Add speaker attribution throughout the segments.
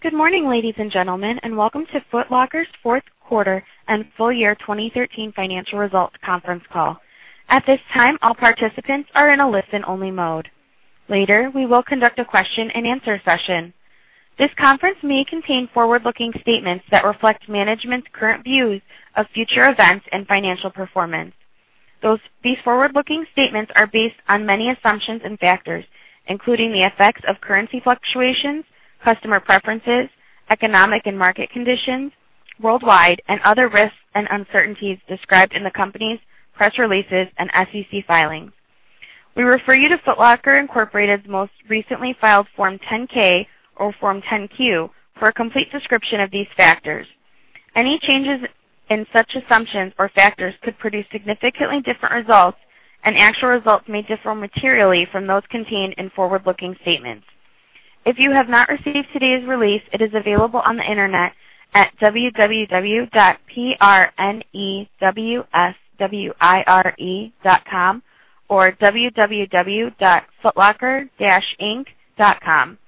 Speaker 1: Good morning, ladies and gentlemen, and welcome to Foot Locker Incorporated's fourth quarter and full year 2013 financial results conference call. At this time, all participants are in a listen-only mode. Later, we will conduct a question and answer session. This conference may contain forward-looking statements that reflect management's current views of future events and financial performance. These forward-looking statements are based on many assumptions and factors, including the effects of currency fluctuations, customer preferences, economic and market conditions worldwide, and other risks and uncertainties described in the company's press releases and SEC filings. We refer you to Foot Locker Incorporated's most recently filed Form 10-K or Form 10-Q for a complete description of these factors. Any changes in such assumptions or factors could produce significantly different results, and actual results may differ materially from those contained in forward-looking statements. If you have not received today's release, it is available on the Internet at www.prnewswire.com or www.footlocker-inc.com.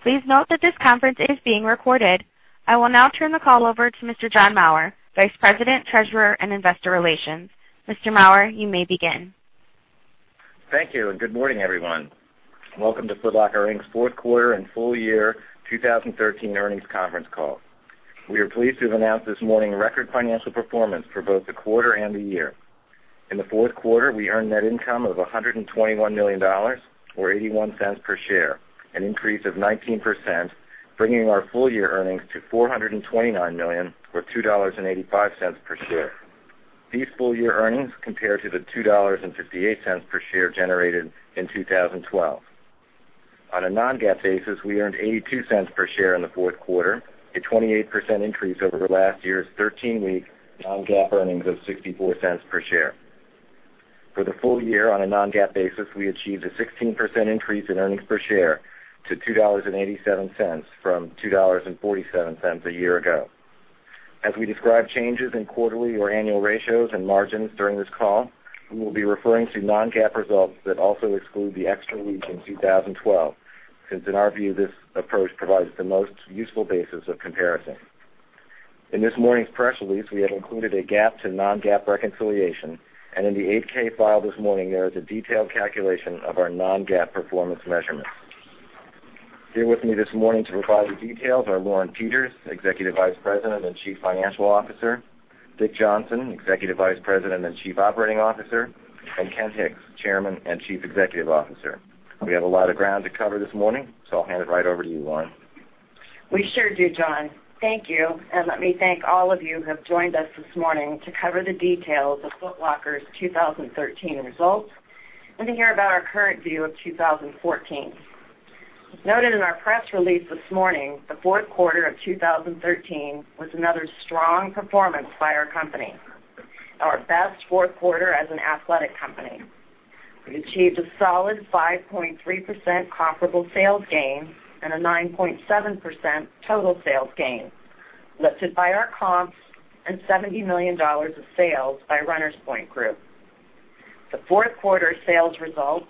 Speaker 1: Please note that this conference is being recorded. I will now turn the call over to Mr. John Maurer, Vice President, Treasurer, and Investor Relations. Mr. Maurer, you may begin.
Speaker 2: Thank you, and good morning, everyone. Welcome to Foot Locker, Inc.'s fourth quarter and full year 2013 earnings conference call. We are pleased to have announced this morning record financial performance for both the quarter and the year. In the fourth quarter, we earned net income of $121 million, or $0.81 per share, an increase of 19%, bringing our full-year earnings to $429 million, or $2.85 per share. These full-year earnings compare to the $2.58 per share generated in 2012. On a non-GAAP basis, we earned $0.82 per share in the fourth quarter, a 28% increase over last year's 13-week non-GAAP earnings of $0.64 per share. For the full year on a non-GAAP basis, we achieved a 16% increase in earnings per share to $2.87 from $2.47 a year ago. As we describe changes in quarterly or annual ratios and margins during this call, we will be referring to non-GAAP results that also exclude the extra week in 2012, since, in our view, this approach provides the most useful basis of comparison. In this morning's press release, we have included a GAAP to non-GAAP reconciliation, and in the 8-K filed this morning, there is a detailed calculation of our non-GAAP performance measurements. Here with me this morning to provide the details are Lauren Peters, Executive Vice President and Chief Financial Officer; Dick Johnson, Executive Vice President and Chief Operating Officer; and Ken Hicks, Chairman and Chief Executive Officer. We have a lot of ground to cover this morning, so I'll hand it right over to you, Lauren.
Speaker 3: We sure do, John. Thank you, and let me thank all of you who have joined us this morning to cover the details of Foot Locker's 2013 results and to hear about our current view of 2014. As noted in our press release this morning, the fourth quarter of 2013 was another strong performance by our company, our best fourth quarter as an athletic company. We achieved a solid 5.3% comparable sales gain and a 9.7% total sales gain, lifted by our comps and $70 million of sales by Runners Point Group. The fourth quarter sales results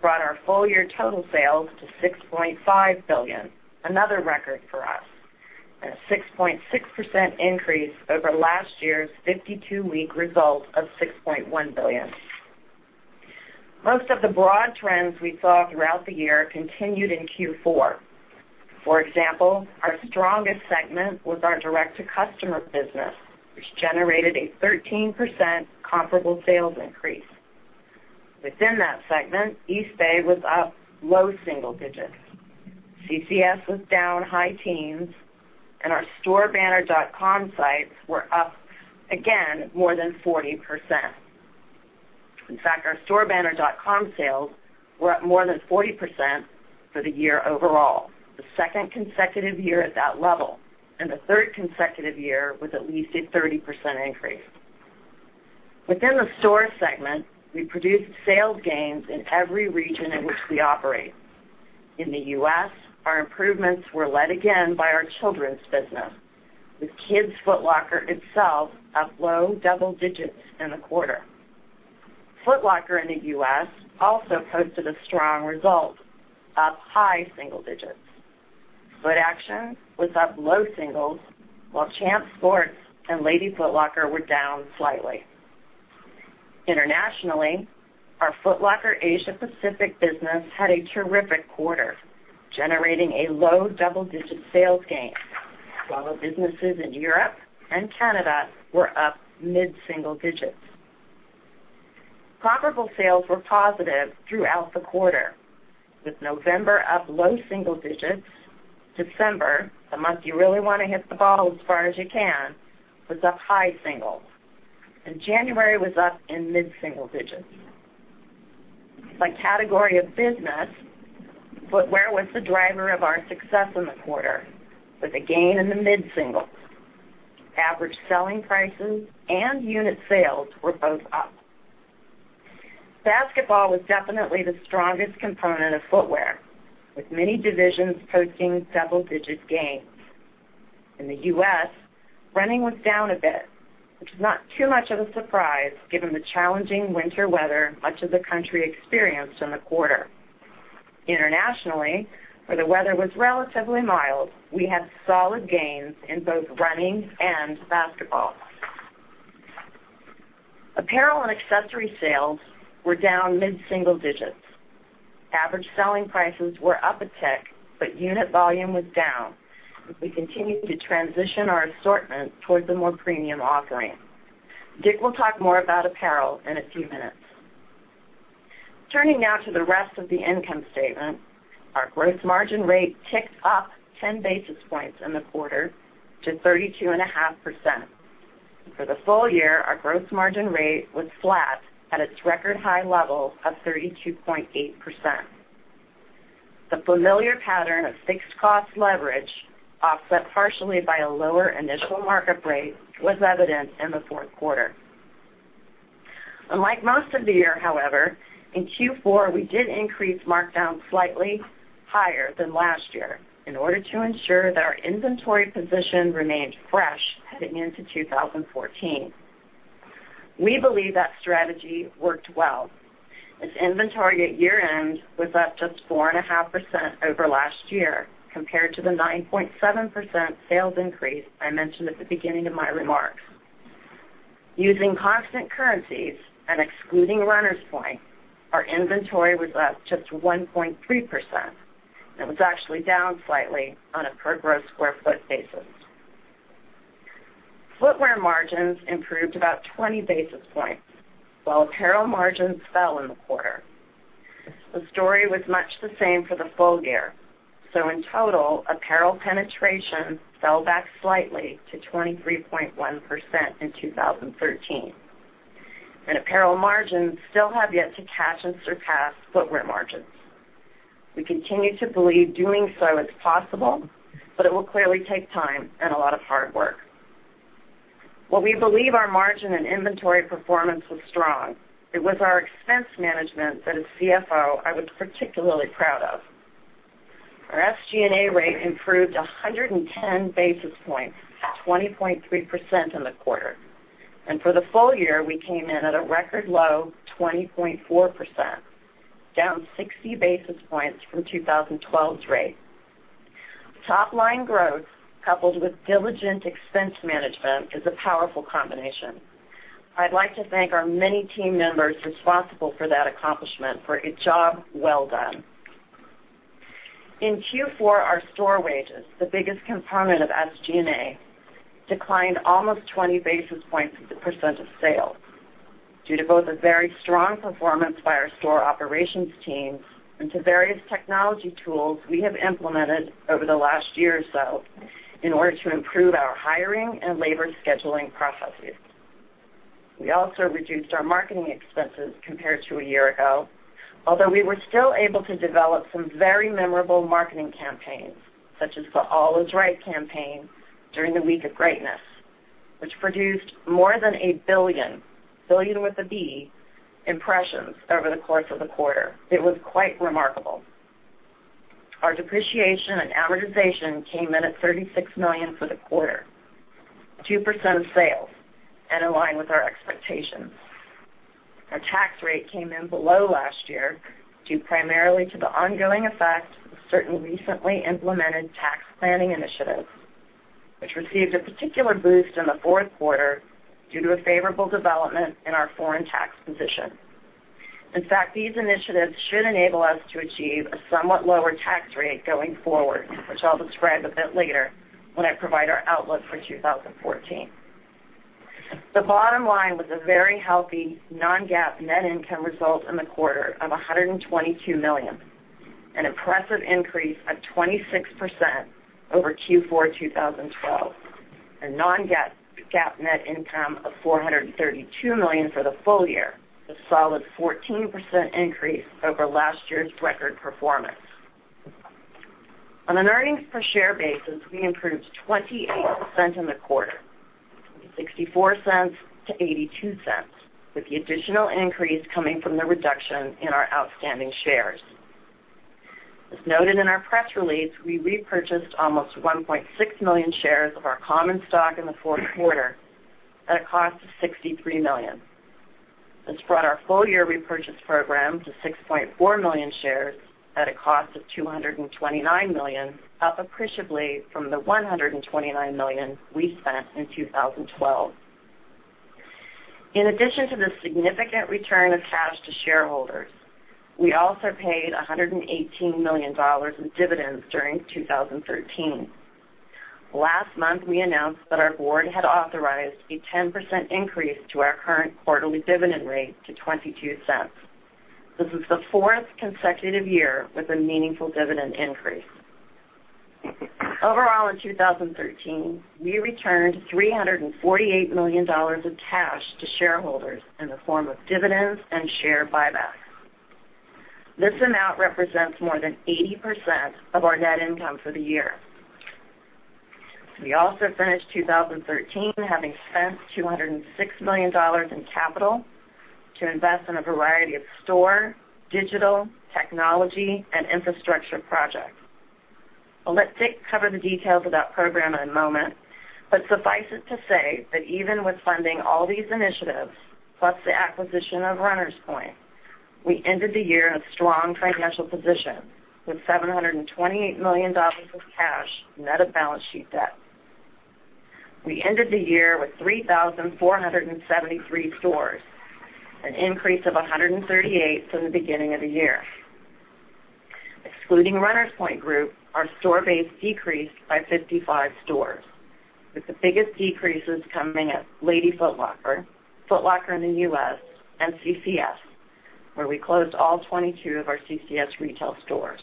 Speaker 3: brought our full-year total sales to $6.5 billion, another record for us and a 6.6% increase over last year's 52-week result of $6.1 billion. Most of the broad trends we saw throughout the year continued in Q4. For example, our strongest segment was our direct-to-consumer business, which generated a 13% comparable sales increase. Within that segment, Eastbay was up low single digits. CCS was down high teens, and our store banner.com sites were up again more than 40%. In fact, our store banner.com sales were up more than 40% for the year overall, the second consecutive year at that level and the third consecutive year with at least a 30% increase. Within the store segment, we produced sales gains in every region in which we operate. In the U.S., our improvements were led again by our children's business, with Kids Foot Locker itself up low double digits in the quarter. Foot Locker in the U.S. also posted a strong result, up high single digits. Footaction was up low singles, while Champs Sports and Lady Foot Locker were down slightly. Internationally, our Foot Locker Asia Pacific business had a terrific quarter, generating a low double-digit sales gain, while our businesses in Europe and Canada were up mid-single digits. Comparable sales were positive throughout the quarter, with November up low single digits. December, the month you really want to hit the ball as far as you can, was up high single. January was up in mid-single digits. By category of business, footwear was the driver of our success in the quarter with a gain in the mid-singles. Average selling prices and unit sales were both up. Basketball was definitely the strongest component of footwear, with many divisions posting double-digit gains. In the U.S., running was down a bit, which is not too much of a surprise given the challenging winter weather much of the country experienced in the quarter. Internationally, where the weather was relatively mild, we had solid gains in both running and basketball. Apparel and accessory sales were down mid-single digits. Average selling prices were up a tick, but unit volume was down as we continue to transition our assortment towards a more premium offering. Dick will talk more about apparel in a few minutes. Turning now to the rest of the income statement, our gross margin rate ticked up 10 basis points in the quarter to 32.5%. For the full year, our gross margin rate was flat at its record high level of 32.8%. The familiar pattern of fixed cost leverage, offset partially by a lower initial markup rate, was evident in the fourth quarter. Unlike most of the year, however, in Q4, we did increase markdowns slightly higher than last year in order to ensure that our inventory position remained fresh heading into 2014. We believe that strategy worked well, as inventory at year-end was up just 4.5% over last year compared to the 9.7% sales increase I mentioned at the beginning of my remarks. Using constant currencies and excluding Runners Point, our inventory was up just 1.3%, and it was actually down slightly on a per gross square foot basis. Footwear margins improved about 20 basis points while apparel margins fell in the quarter. In total, apparel penetration fell back slightly to 23.1% in 2013, and apparel margins still have yet to catch and surpass footwear margins. We continue to believe doing so is possible, but it will clearly take time and a lot of hard work. While we believe our margin and inventory performance was strong, it was our expense management that as CFO I was particularly proud of. Our SG&A rate improved 110 basis points to 20.3% in the quarter. For the full year, we came in at a record low 20.4%, down 60 basis points from 2012's rate. Top-line growth, coupled with diligent expense management, is a powerful combination. I'd like to thank our many team members responsible for that accomplishment for a job well done. In Q4, our store wages, the biggest component of SG&A, declined almost 20 basis points as a percent of sales due to both a very strong performance by our store operations team and to various technology tools we have implemented over the last year or so in order to improve our hiring and labor scheduling processes. We also reduced our marketing expenses compared to a year ago. We were still able to develop some very memorable marketing campaigns, such as the All Is Right campaign during the Week of Greatness, which produced more than a billion with a B, impressions over the course of the quarter. It was quite remarkable. Our depreciation and amortization came in at $36 million for the quarter, 2% of sales, and in line with our expectations. Our tax rate came in below last year due primarily to the ongoing effect of certain recently implemented tax planning initiatives, which received a particular boost in the fourth quarter due to a favorable development in our foreign tax position. These initiatives should enable us to achieve a somewhat lower tax rate going forward, which I'll describe a bit later when I provide our outlook for 2014. The bottom line was a very healthy non-GAAP net income result in the quarter of $122 million, an impressive increase of 26% over Q4 2012. A non-GAAP net income of $432 million for the full year, a solid 14% increase over last year's record performance. On an earnings per share basis, we improved 28% in the quarter, from $0.64 to $0.82, with the additional increase coming from the reduction in our outstanding shares. As noted in our press release, we repurchased almost 1.6 million shares of our common stock in the fourth quarter at a cost of $63 million. This brought our full-year repurchase program to 6.4 million shares at a cost of $229 million, up appreciably from the $129 million we spent in 2012. In addition to the significant return of cash to shareholders, we also paid $118 million in dividends during 2013. Last month, we announced that our board had authorized a 10% increase to our current quarterly dividend rate to $0.22. This is the fourth consecutive year with a meaningful dividend increase. Overall, in 2013, we returned $348 million of cash to shareholders in the form of dividends and share buybacks. This amount represents more than 80% of our net income for the year. We also finished 2013 having spent $206 million in capital to invest in a variety of store, digital technology, and infrastructure projects. I'll let Dick cover the details of that program in a moment, but suffice it to say that even with funding all these initiatives, plus the acquisition of Runners Point, we ended the year in a strong financial position with $728 million of cash net of balance sheet debt. We ended the year with 3,473 stores, an increase of 138 from the beginning of the year. Excluding Runners Point Group, our store base decreased by 55 stores, with the biggest decreases coming at Lady Foot Locker, Foot Locker in the U.S., and CCS, where we closed all 22 of our CCS retail stores.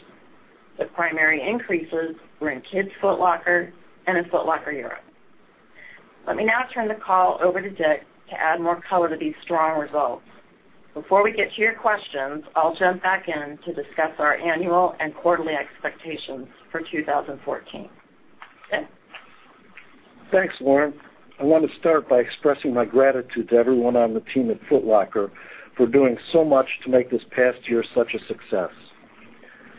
Speaker 3: The primary increases were in Kids Foot Locker and in Foot Locker Europe. Let me now turn the call over to Dick to add more color to these strong results. Before we get to your questions, I'll jump back in to discuss our annual and quarterly expectations for 2014. Dick?
Speaker 4: Thanks, Lauren. I want to start by expressing my gratitude to everyone on the team at Foot Locker for doing so much to make this past year such a success.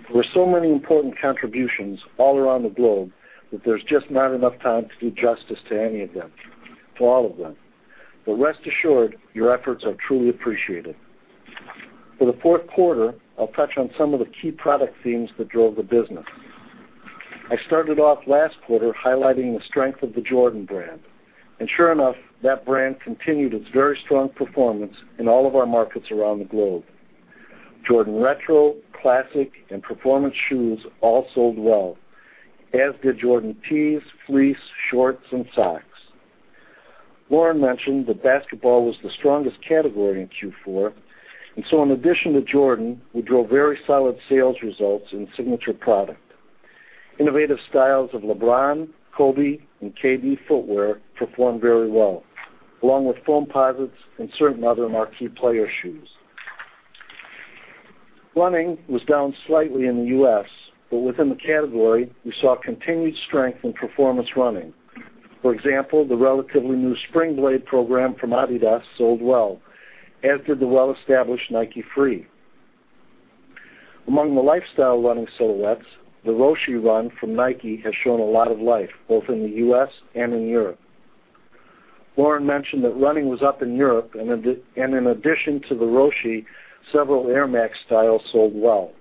Speaker 4: There were so many important contributions all around the globe that there's just not enough time to do justice to any of them, to all of them. Rest assured, your efforts are truly appreciated. For the fourth quarter, I'll touch on some of the key product themes that drove the business. I started off last quarter highlighting the strength of the Jordan brand. Sure enough, that brand continued its very strong performance in all of our markets around the globe. Jordan retro, classic, and performance shoes all sold well, as did Jordan tees, fleece, shorts, and socks. Lauren mentioned that basketball was the strongest category in Q4, in addition to Jordan, we drove very solid sales results in signature product. Innovative styles of LeBron, Kobe, and KD footwear performed very well, along with Foamposites and certain other marquee player shoes. Running was down slightly in the U.S., within the category, we saw continued strength in performance running. For example, the relatively new Springblade program from Adidas sold well, as did the well-established Nike Free. Among the lifestyle running silhouettes, the Roshe Run from Nike has shown a lot of life, both in the U.S. and in Europe. Lauren mentioned that running was up in Europe, in addition to the Roshe, several Air Max styles sold well.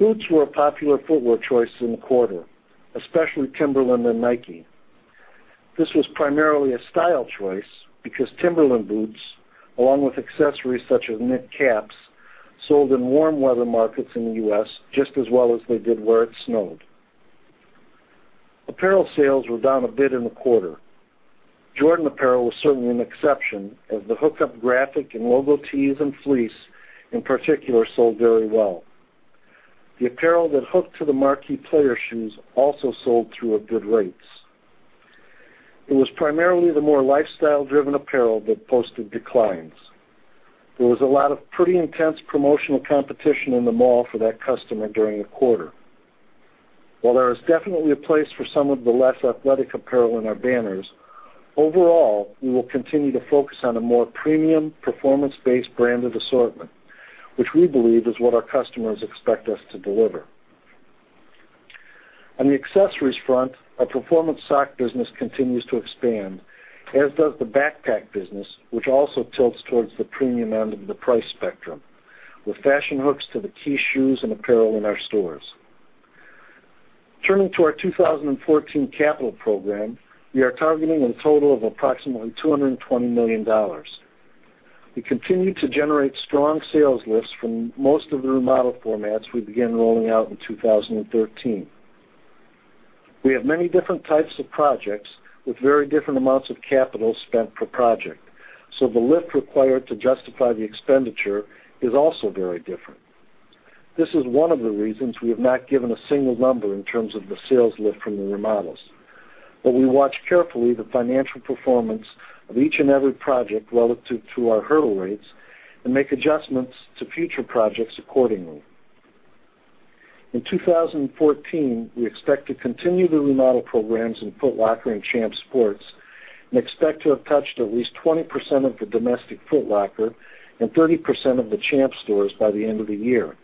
Speaker 4: Boots were a popular footwear choice in the quarter, especially Timberland and Nike. This was primarily a style choice because Timberland boots, along with accessories such as knit caps, sold in warm weather markets in the U.S. just as well as they did where it snowed. Apparel sales were down a bit in the quarter. Jordan apparel was certainly an exception as the hookup graphic and logo tees and fleece in particular sold very well. The apparel that hooked to the marquee player shoes also sold through at good rates. It was primarily the more lifestyle-driven apparel that posted declines. There was a lot of pretty intense promotional competition in the mall for that customer during the quarter. While there is definitely a place for some of the less athletic apparel in our banners, overall, we will continue to focus on a more premium, performance-based branded assortment, which we believe is what our customers expect us to deliver. On the accessories front, our performance sock business continues to expand, as does the backpack business, which also tilts towards the premium end of the price spectrum with fashion hooks to the key shoes and apparel in our stores. Turning to our 2014 capital program, we are targeting a total of approximately $220 million. We continue to generate strong sales lifts from most of the remodel formats we began rolling out in 2013. We have many different types of projects with very different amounts of capital spent per project, so the lift required to justify the expenditure is also very different. This is one of the reasons we have not given a single number in terms of the sales lift from the remodels. We watch carefully the financial performance of each and every project relative to our hurdle rates and make adjustments to future projects accordingly. In 2014, we expect to continue the remodel programs in Foot Locker and Champs Sports and expect to have touched at least 20% of the domestic Foot Locker and 30% of the Champs stores by the end of the year.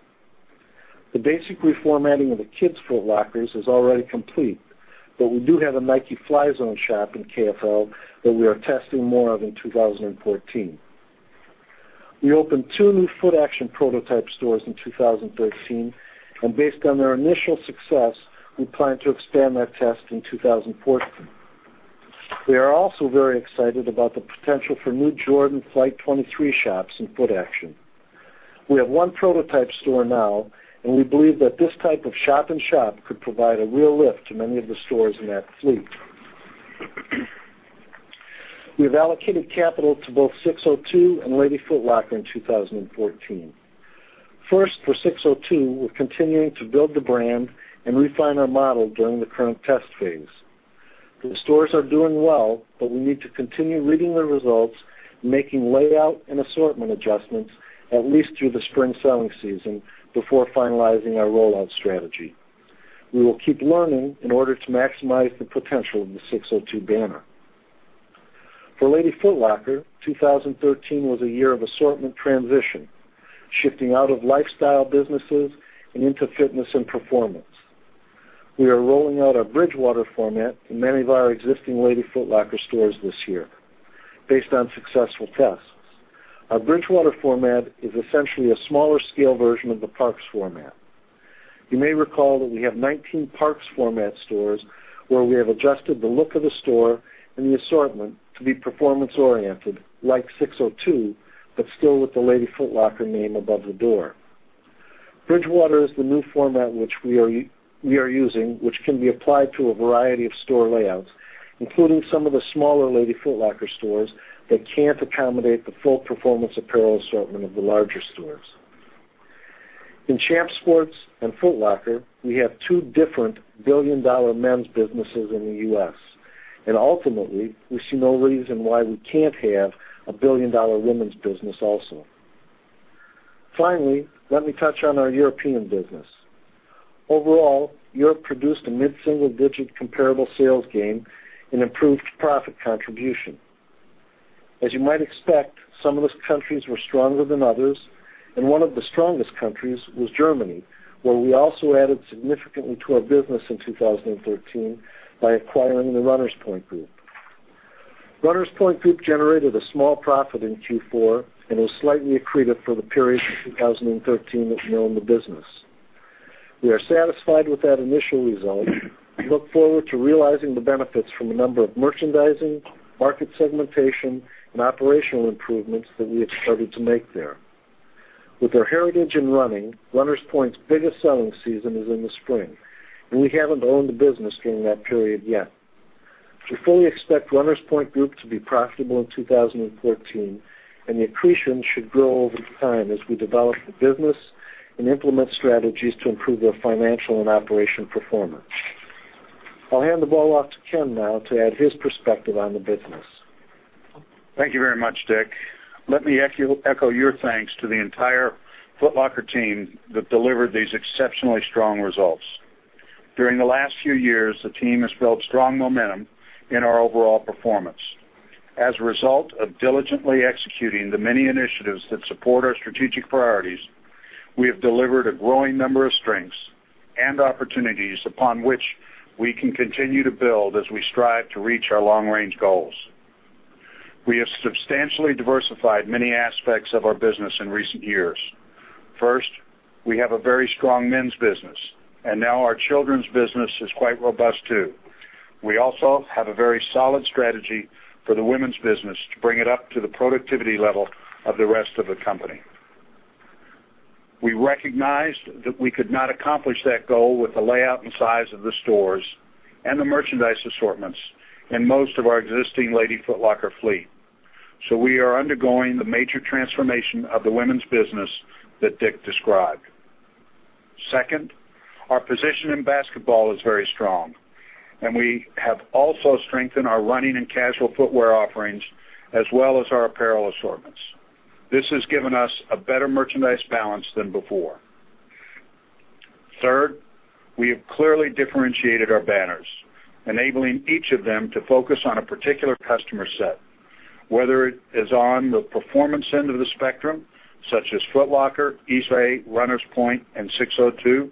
Speaker 4: The basic reformatting of the Kids Foot Locker is already complete, but we do have a Nike Fly Zone shop in KFL that we are testing more of in 2014. We opened two new Footaction prototype stores in 2013, and based on their initial success, we plan to expand that test in 2014. We are also very excited about the potential for new Jordan Flight 23 shops in Footaction. We have one prototype store now, and we believe that this type of shop-in-shop could provide a real lift to many of the stores in that fleet. We have allocated capital to both SIX:02 and Lady Foot Locker in 2014. First, for SIX:02, we're continuing to build the brand and refine our model during the current test phase. The stores are doing well, we need to continue reading the results and making layout and assortment adjustments at least through the spring selling season before finalizing our rollout strategy. We will keep learning in order to maximize the potential of the SIX:02 banner. For Lady Foot Locker, 2013 was a year of assortment transition, shifting out of lifestyle businesses and into fitness and performance. We are rolling out our Bridgewater format in many of our existing Lady Foot Locker stores this year based on successful tests. Our Bridgewater format is essentially a smaller scale version of the Parks format. You may recall that we have 19 Parks format stores, where we have adjusted the look of the store and the assortment to be performance-oriented, like SIX:02, but still with the Lady Foot Locker name above the door. Bridgewater is the new format which we are using, which can be applied to a variety of store layouts, including some of the smaller Lady Foot Locker stores that can't accommodate the full performance apparel assortment of the larger stores. In Champs Sports and Foot Locker, we have two different billion-dollar men's businesses in the U.S., and ultimately, we see no reason why we can't have a billion-dollar women's business also. Finally, let me touch on our European business. Overall, Europe produced a mid-single-digit comparable sales gain and improved profit contribution. As you might expect, some of those countries were stronger than others, and one of the strongest countries was Germany, where we also added significantly to our business in 2013 by acquiring the Runners Point Group. Runners Point Group generated a small profit in Q4 and was slightly accretive for the period of 2013 that we owned the business. We are satisfied with that initial result and look forward to realizing the benefits from a number of merchandising, market segmentation, and operational improvements that we have started to make there. With their heritage in running, Runners Point's biggest selling season is in the spring, and we haven't owned the business during that period yet. We fully expect Runners Point Group to be profitable in 2014, and the accretion should grow over time as we develop the business and implement strategies to improve their financial and operation performance. I'll hand the ball off to Ken now to add his perspective on the business.
Speaker 5: Thank you very much, Dick. Let me echo your thanks to the entire Foot Locker team that delivered these exceptionally strong results. During the last few years, the team has built strong momentum in our overall performance. As a result of diligently executing the many initiatives that support our strategic priorities, we have delivered a growing number of strengths and opportunities upon which we can continue to build as we strive to reach our long-range goals. We have substantially diversified many aspects of our business in recent years. First, we have a very strong men's business, and now our children's business is quite robust, too. We also have a very solid strategy for the women's business to bring it up to the productivity level of the rest of the company. We recognized that we could not accomplish that goal with the layout and size of the stores and the merchandise assortments in most of our existing Lady Foot Locker fleet. We are undergoing the major transformation of the women's business that Dick described. Second, our position in basketball is very strong, and we have also strengthened our running and casual footwear offerings as well as our apparel assortments. This has given us a better merchandise balance than before. Third, we have clearly differentiated our banners, enabling each of them to focus on a particular customer set, whether it is on the performance end of the spectrum, such as Foot Locker, Eastbay, Runners Point, and SIX:02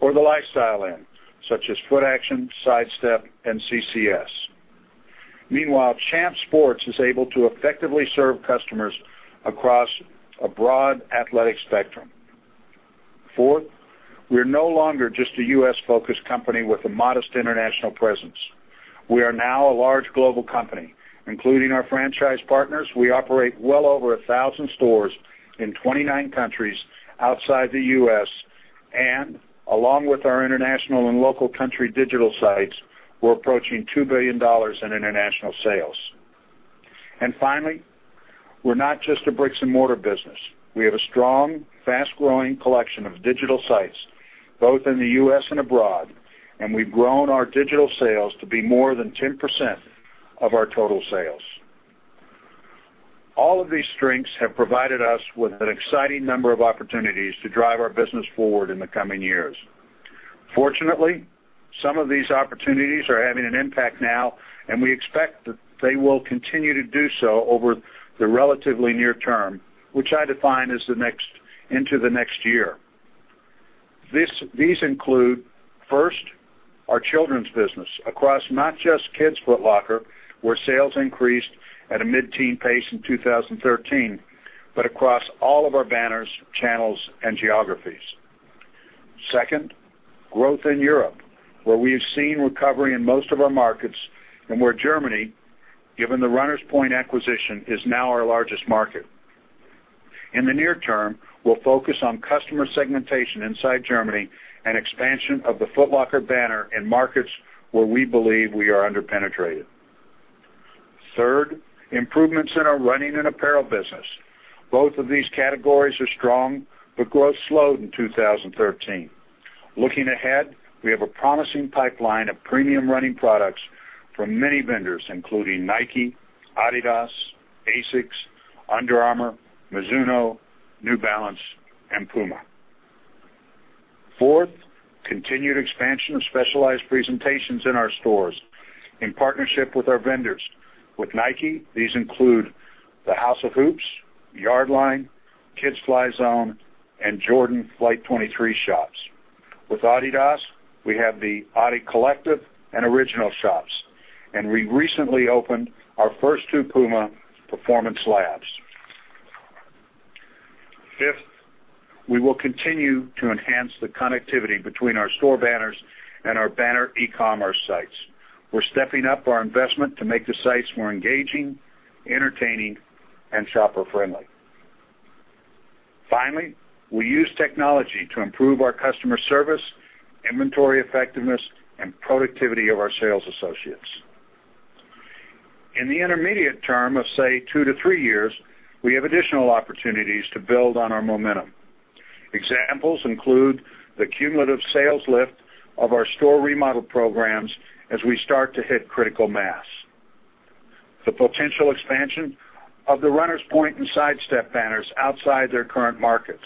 Speaker 5: or the lifestyle end, such as Footaction, Sidestep, and CCS. Meanwhile, Champs Sports is able to effectively serve customers across a broad athletic spectrum. Fourth, we're no longer just a U.S.-focused company with a modest international presence. We are now a large global company. Including our franchise partners, we operate well over 1,000 stores in 29 countries outside the U.S. and along with our international and local country digital sites, we're approaching $2 billion in international sales. Finally, we're not just a bricks and mortar business. We have a strong, fast-growing collection of digital sites both in the U.S. and abroad, and we've grown our digital sales to be more than 10% of our total sales. All of these strengths have provided us with an exciting number of opportunities to drive our business forward in the coming years. Fortunately, some of these opportunities are having an impact now, and we expect that they will continue to do so over the relatively near term, which I define as into the next year. These include, first, our children's business across not just Kids Foot Locker, where sales increased at a mid-teen pace in 2013, but across all of our banners, channels, and geographies. Second, growth in Europe, where we have seen recovery in most of our markets and where Germany, given the Runners Point acquisition, is now our largest market. In the near term, we'll focus on customer segmentation inside Germany and expansion of the Foot Locker banner in markets where we believe we are under-penetrated. Third, improvements in our running and apparel business. Both of these categories are strong, but growth slowed in 2013. Looking ahead, we have a promising pipeline of premium running products from many vendors, including Nike, Adidas, ASICS, Under Armour, Mizuno, New Balance, and Puma. Fourth, continued expansion of specialized presentations in our stores in partnership with our vendors. With Nike, these include the House of Hoops, Yardline, Kids Fly Zone, and Jordan Flight 23 shops. With Adidas, we have the adiCollective and Originals shops. We recently opened our first two Puma Performance Labs. Fifth, we will continue to enhance the connectivity between our store banners and our banner e-commerce sites. We're stepping up our investment to make the sites more engaging, entertaining, and shopper-friendly. Finally, we use technology to improve our customer service, inventory effectiveness, and productivity of our sales associates. In the intermediate term of, say, two to three years, we have additional opportunities to build on our momentum. Examples include the cumulative sales lift of our store remodel programs as we start to hit critical mass. The potential expansion of the Runners Point and Sidestep banners outside their current markets.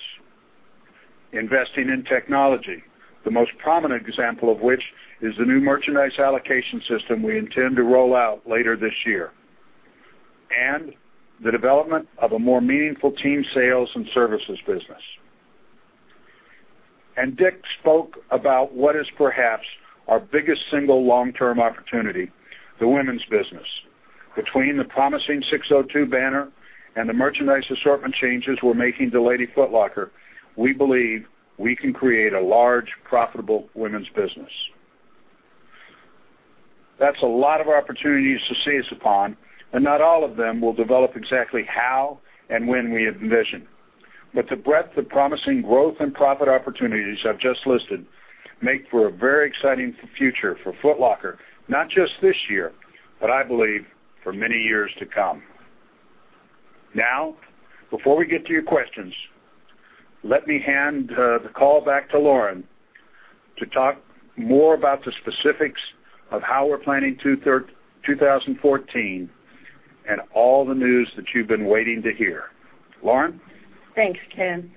Speaker 5: Investing in technology, the most prominent example of which is the new merchandise allocation system we intend to roll out later this year. The development of a more meaningful team sales and services business. Dick spoke about what is perhaps our biggest single long-term opportunity, the women's business. Between the promising SIX:02 banner and the merchandise assortment changes we're making to Lady Foot Locker, we believe we can create a large, profitable women's business. That's a lot of opportunities to seize upon, and not all of them will develop exactly how and when we envision. The breadth of promising growth and profit opportunities I've just listed make for a very exciting future for Foot Locker, not just this year, but I believe for many years to come. Now, before we get to your questions, let me hand the call back to Lauren to talk more about the specifics of how we're planning 2014 and all the news that you've been waiting to hear. Lauren?
Speaker 3: Thanks, Ken.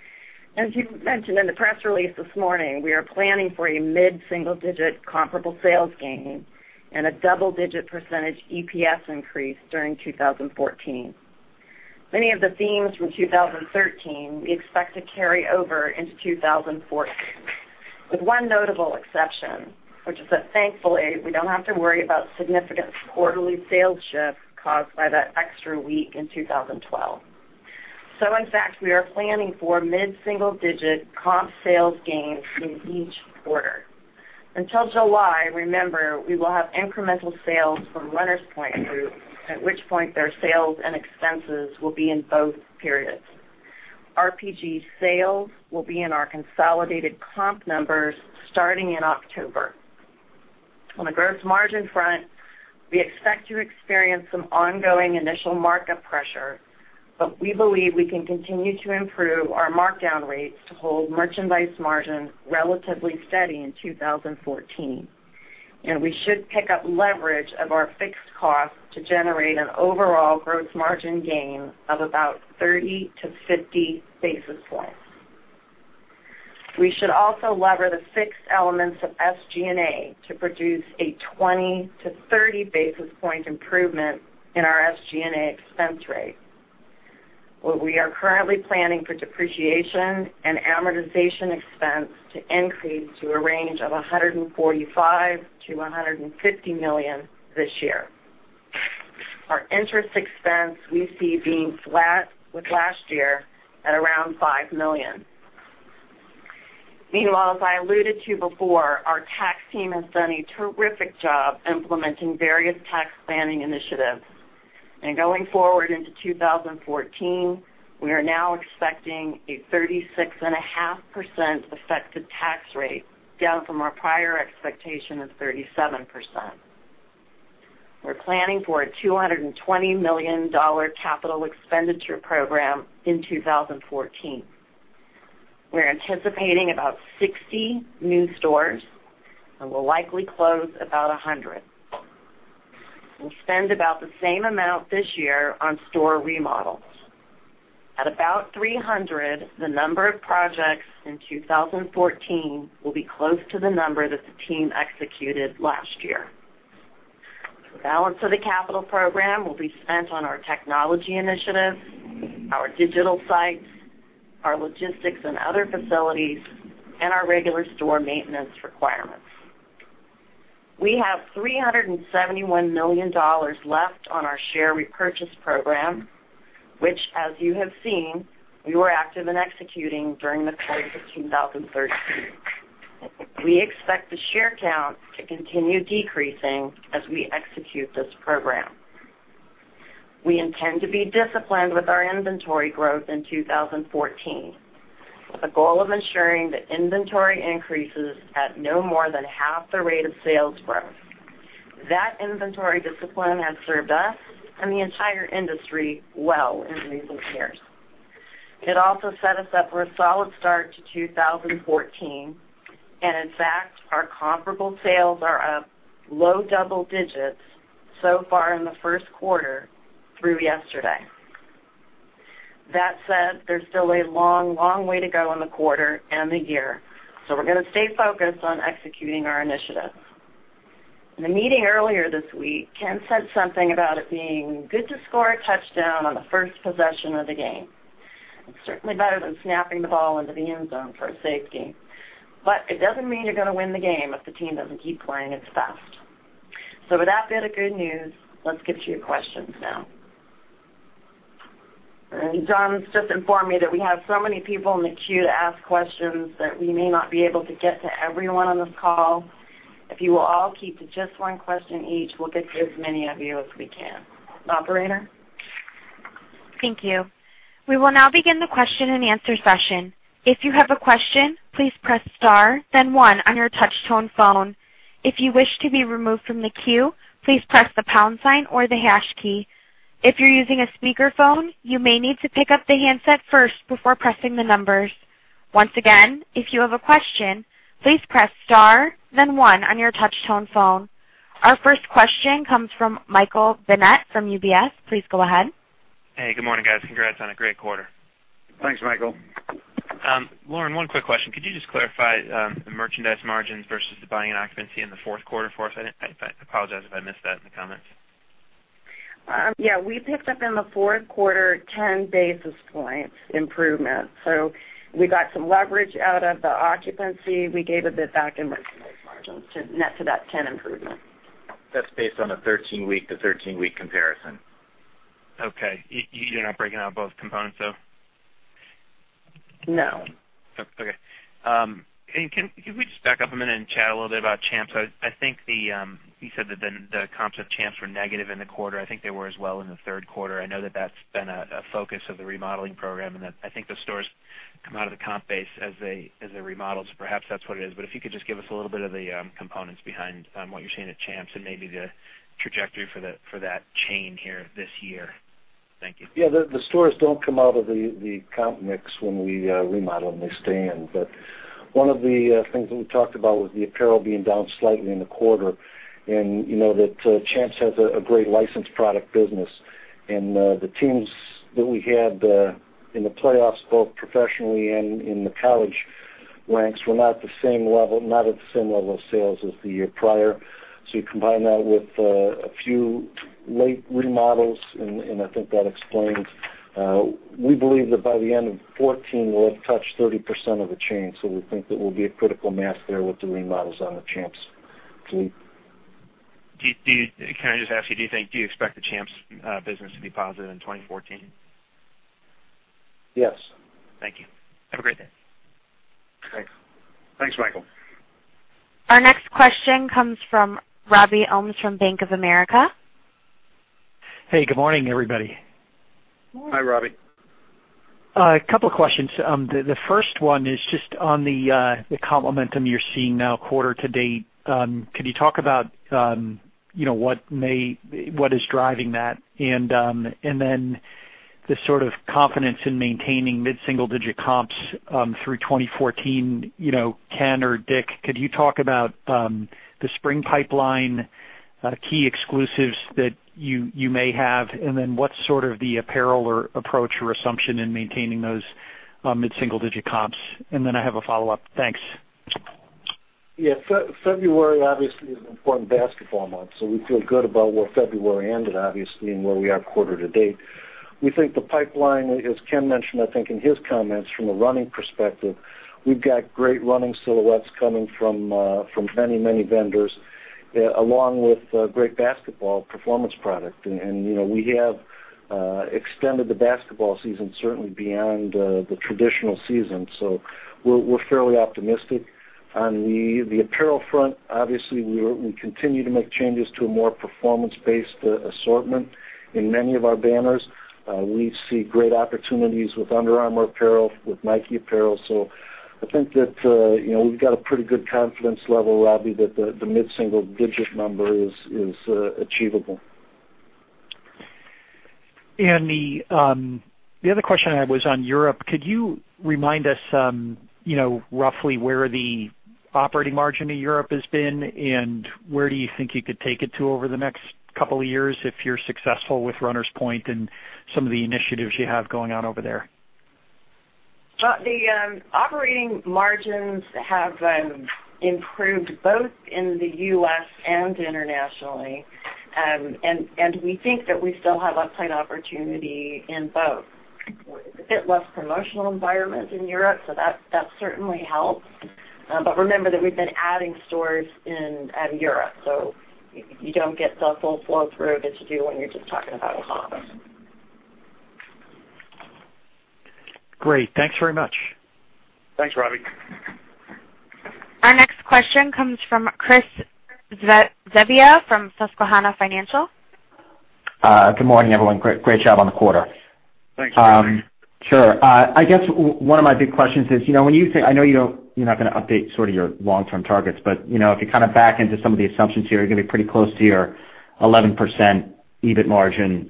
Speaker 3: As you mentioned in the press release this morning, we are planning for a mid-single-digit comparable sales gain and a double-digit percentage EPS increase during 2014. Many of the themes from 2013 we expect to carry over into 2014, with one notable exception, which is that thankfully, we don't have to worry about significant quarterly sales shift caused by that extra week in 2012. In fact, we are planning for mid-single-digit comp sales gains in each quarter. Until July, remember, we will have incremental sales from Runners Point Group, at which point their sales and expenses will be in both periods. RPG sales will be in our consolidated comp numbers starting in October. On the gross margin front, we expect to experience some ongoing initial markup pressure, but we believe we can continue to improve our markdown rates to hold merchandise margin relatively steady in 2014. We should pick up leverage of our fixed costs to generate an overall gross margin gain of about 30-50 basis points. We should also lever the fixed elements of SG&A to produce a 20-30 basis point improvement in our SG&A expense rate. What we are currently planning for depreciation and amortization expense to increase to a range of $145 million-$150 million this year. Our interest expense we see being flat with last year at around $5 million. Meanwhile, as I alluded to before, our tax team has done a terrific job implementing various tax planning initiatives. Going forward into 2014, we are now expecting a 36.5% effective tax rate, down from our prior expectation of 37%. We're planning for a $220 million capital expenditure program in 2014. We're anticipating about 60 new stores and will likely close about 100. We'll spend about the same amount this year on store remodels. At about 300, the number of projects in 2014 will be close to the number that the team executed last year. The balance of the capital program will be spent on our technology initiatives, our digital sites, our logistics and other facilities, and our regular store maintenance requirements. We have $371 million left on our share repurchase program, which, as you have seen, we were active in executing during the course of 2013. We expect the share count to continue decreasing as we execute this program. We intend to be disciplined with our inventory growth in 2014, with a goal of ensuring that inventory increases at no more than half the rate of sales growth. That inventory discipline has served us and the entire industry well in recent years. In fact, our comparable sales are up low double digits so far in the first quarter through yesterday. That said, there's still a long way to go in the quarter and the year, we're going to stay focused on executing our initiatives. In the meeting earlier this week, Ken said something about it being good to score a touchdown on the first possession of the game. It's certainly better than snapping the ball into the end zone for a safety. It doesn't mean you're going to win the game if the team doesn't keep playing its best. With that bit of good news, let's get to your questions now. John's just informed me that we have so many people in the queue to ask questions that we may not be able to get to everyone on this call. If you will all keep to just one question each, we'll get to as many of you as we can. Operator?
Speaker 1: Thank you. We will now begin the question and answer session. If you have a question, please press star then one on your touch tone phone. If you wish to be removed from the queue, please press the pound sign or the hash key. If you're using a speakerphone, you may need to pick up the handset first before pressing the numbers. Once again, if you have a question, please press star then one on your touch tone phone. Our first question comes from Michael Binetti from UBS. Please go ahead.
Speaker 6: Hey, good morning, guys. Congrats on a great quarter.
Speaker 4: Thanks, Michael.
Speaker 6: Lauren, one quick question. Could you just clarify the merchandise margins versus the buying and occupancy in the fourth quarter for us? I apologize if I missed that in the comments.
Speaker 3: Yeah. We picked up in the fourth quarter 10 basis points improvement. We got some leverage out of the occupancy. We gave a bit back in merchandise margins to net to that 10 improvement.
Speaker 4: That's based on a 13-week to 13-week comparison.
Speaker 6: Okay. You're not breaking out both components, though?
Speaker 3: No.
Speaker 6: Okay. Can we just back up a minute and chat a little bit about Champs? You said that the comps of Champs were negative in the quarter. I think they were as well in the third quarter. I know that's been a focus of the remodeling program. I think the stores come out of the comp base as they remodel, so perhaps that's what it is. If you could just give us a little bit of the components behind what you're seeing at Champs and maybe the trajectory for that chain here this year. Thank you.
Speaker 4: Yeah. The stores don't come out of the comp mix when we remodel them. They stay in. One of the things that we talked about was the apparel being down slightly in the quarter, and that Champs has a great licensed product business. The teams that we had in the playoffs, both professionally and in the college ranks, were not at the same level of sales as the year prior. You combine that with a few late remodels, and I think that explains. We believe that by the end of 2014, we'll have touched 30% of the chain. We think there will be a critical mass there with the remodels on the Champs fleet.
Speaker 6: Can I just ask you, do you expect the Champs business to be positive in 2014?
Speaker 4: Yes.
Speaker 6: Thank you. Have a great day.
Speaker 4: Thanks. Thanks, Michael.
Speaker 1: Our next question comes from Robert Ohmes from Bank of America.
Speaker 7: Hey, good morning, everybody.
Speaker 4: Hi, Robbie.
Speaker 7: A couple of questions. The first one is just on the comp momentum you're seeing now quarter to date. Can you talk about what is driving that? The sort of confidence in maintaining mid-single-digit comps through 2014, Ken or Dick, could you talk about the spring pipeline, key exclusives that you may have, what's sort of the apparel approach or assumption in maintaining those mid-single-digit comps? I have a follow-up. Thanks.
Speaker 4: Yeah. February obviously is an important basketball month, we feel good about where February ended, obviously, and where we are quarter to date. We think the pipeline, as Ken mentioned, I think in his comments from a running perspective, we've got great running silhouettes coming from many vendors, along with great basketball performance product. We have extended the basketball season certainly beyond the traditional season. We're fairly optimistic. On the apparel front, obviously, we continue to make changes to a more performance-based assortment in many of our banners. We see great opportunities with Under Armour apparel, with Nike apparel. I think that we've got a pretty good confidence level, Robbie, that the mid-single-digit number is achievable.
Speaker 7: The other question I had was on Europe. Could you remind us roughly where the operating margin of Europe has been and where do you think you could take it to over the next couple of years if you're successful with Runners Point and some of the initiatives you have going on over there?
Speaker 3: The operating margins have improved both in the U.S. and internationally. We think that we still have upside opportunity in both. A bit less promotional environment in Europe, that certainly helps. Remember that we've been adding stores out of Europe, so you don't get the full flow through that you do when you're just talking about a comp.
Speaker 7: Great. Thanks very much.
Speaker 4: Thanks, Robbie.
Speaker 1: Our next question comes from Chris Svezia from Susquehanna Financial.
Speaker 8: Good morning, everyone. Great job on the quarter.
Speaker 4: Thanks, Chris.
Speaker 8: Sure. I guess one of my big questions is, I know you're not going to update sort of your long-term targets, but if you kind of back into some of the assumptions here, you're going to be pretty close to your 11% EBIT margin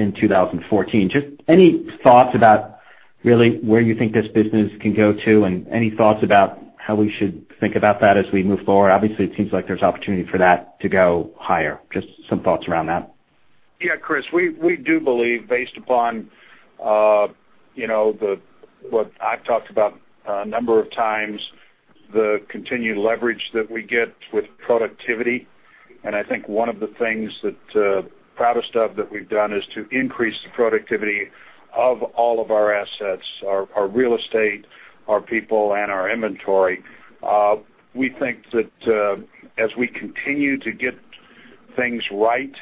Speaker 8: in 2014. Any thoughts about really where you think this business can go to and any thoughts about how we should think about that as we move forward? Obviously, it seems like there's opportunity for that to go higher. Some thoughts around that.
Speaker 5: Yeah, Chris, we do believe based upon what I've talked about a number of times, the continued leverage that we get with productivity, and I think one of the things that proudest of that we've done is to increase the productivity of all of our assets, our real estate, our people, and our inventory. We think that as we continue to get things right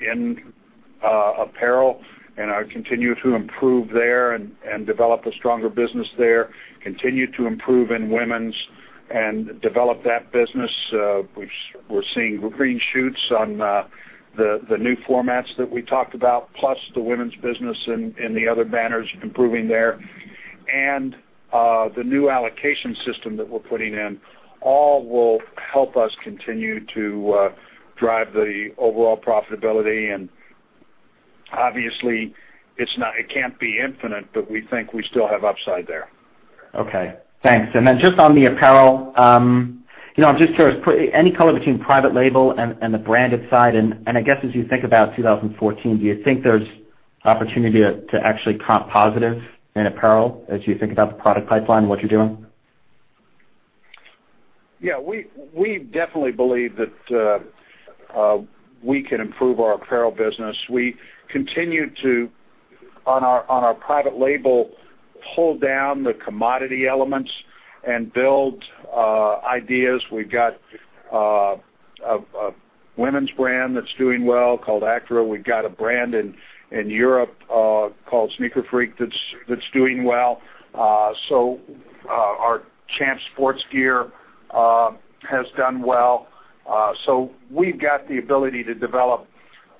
Speaker 5: in apparel and are continue to improve there and develop a stronger business there, continue to improve in women's and develop that business, we're seeing green shoots on the new formats that we talked about, plus the women's business and the other banners improving there. The new allocation system that we're putting in, all will help us continue to drive the overall profitability, and obviously, it can't be infinite, but we think we still have upside there.
Speaker 8: Okay, thanks. Then just on the apparel, I'm just curious, any color between private label and the branded side, and I guess as you think about 2014, do you think there's opportunity to actually comp positive in apparel as you think about the product pipeline and what you're doing?
Speaker 5: Yeah, we definitely believe that we can improve our apparel business. We continue to, on our private label, pull down the commodity elements and build ideas. We've got a women's brand that's doing well called Acro. We've got a brand in Europe called Sneaker Freak that's doing well. Our Champs Sports gear has done well. We've got the ability to develop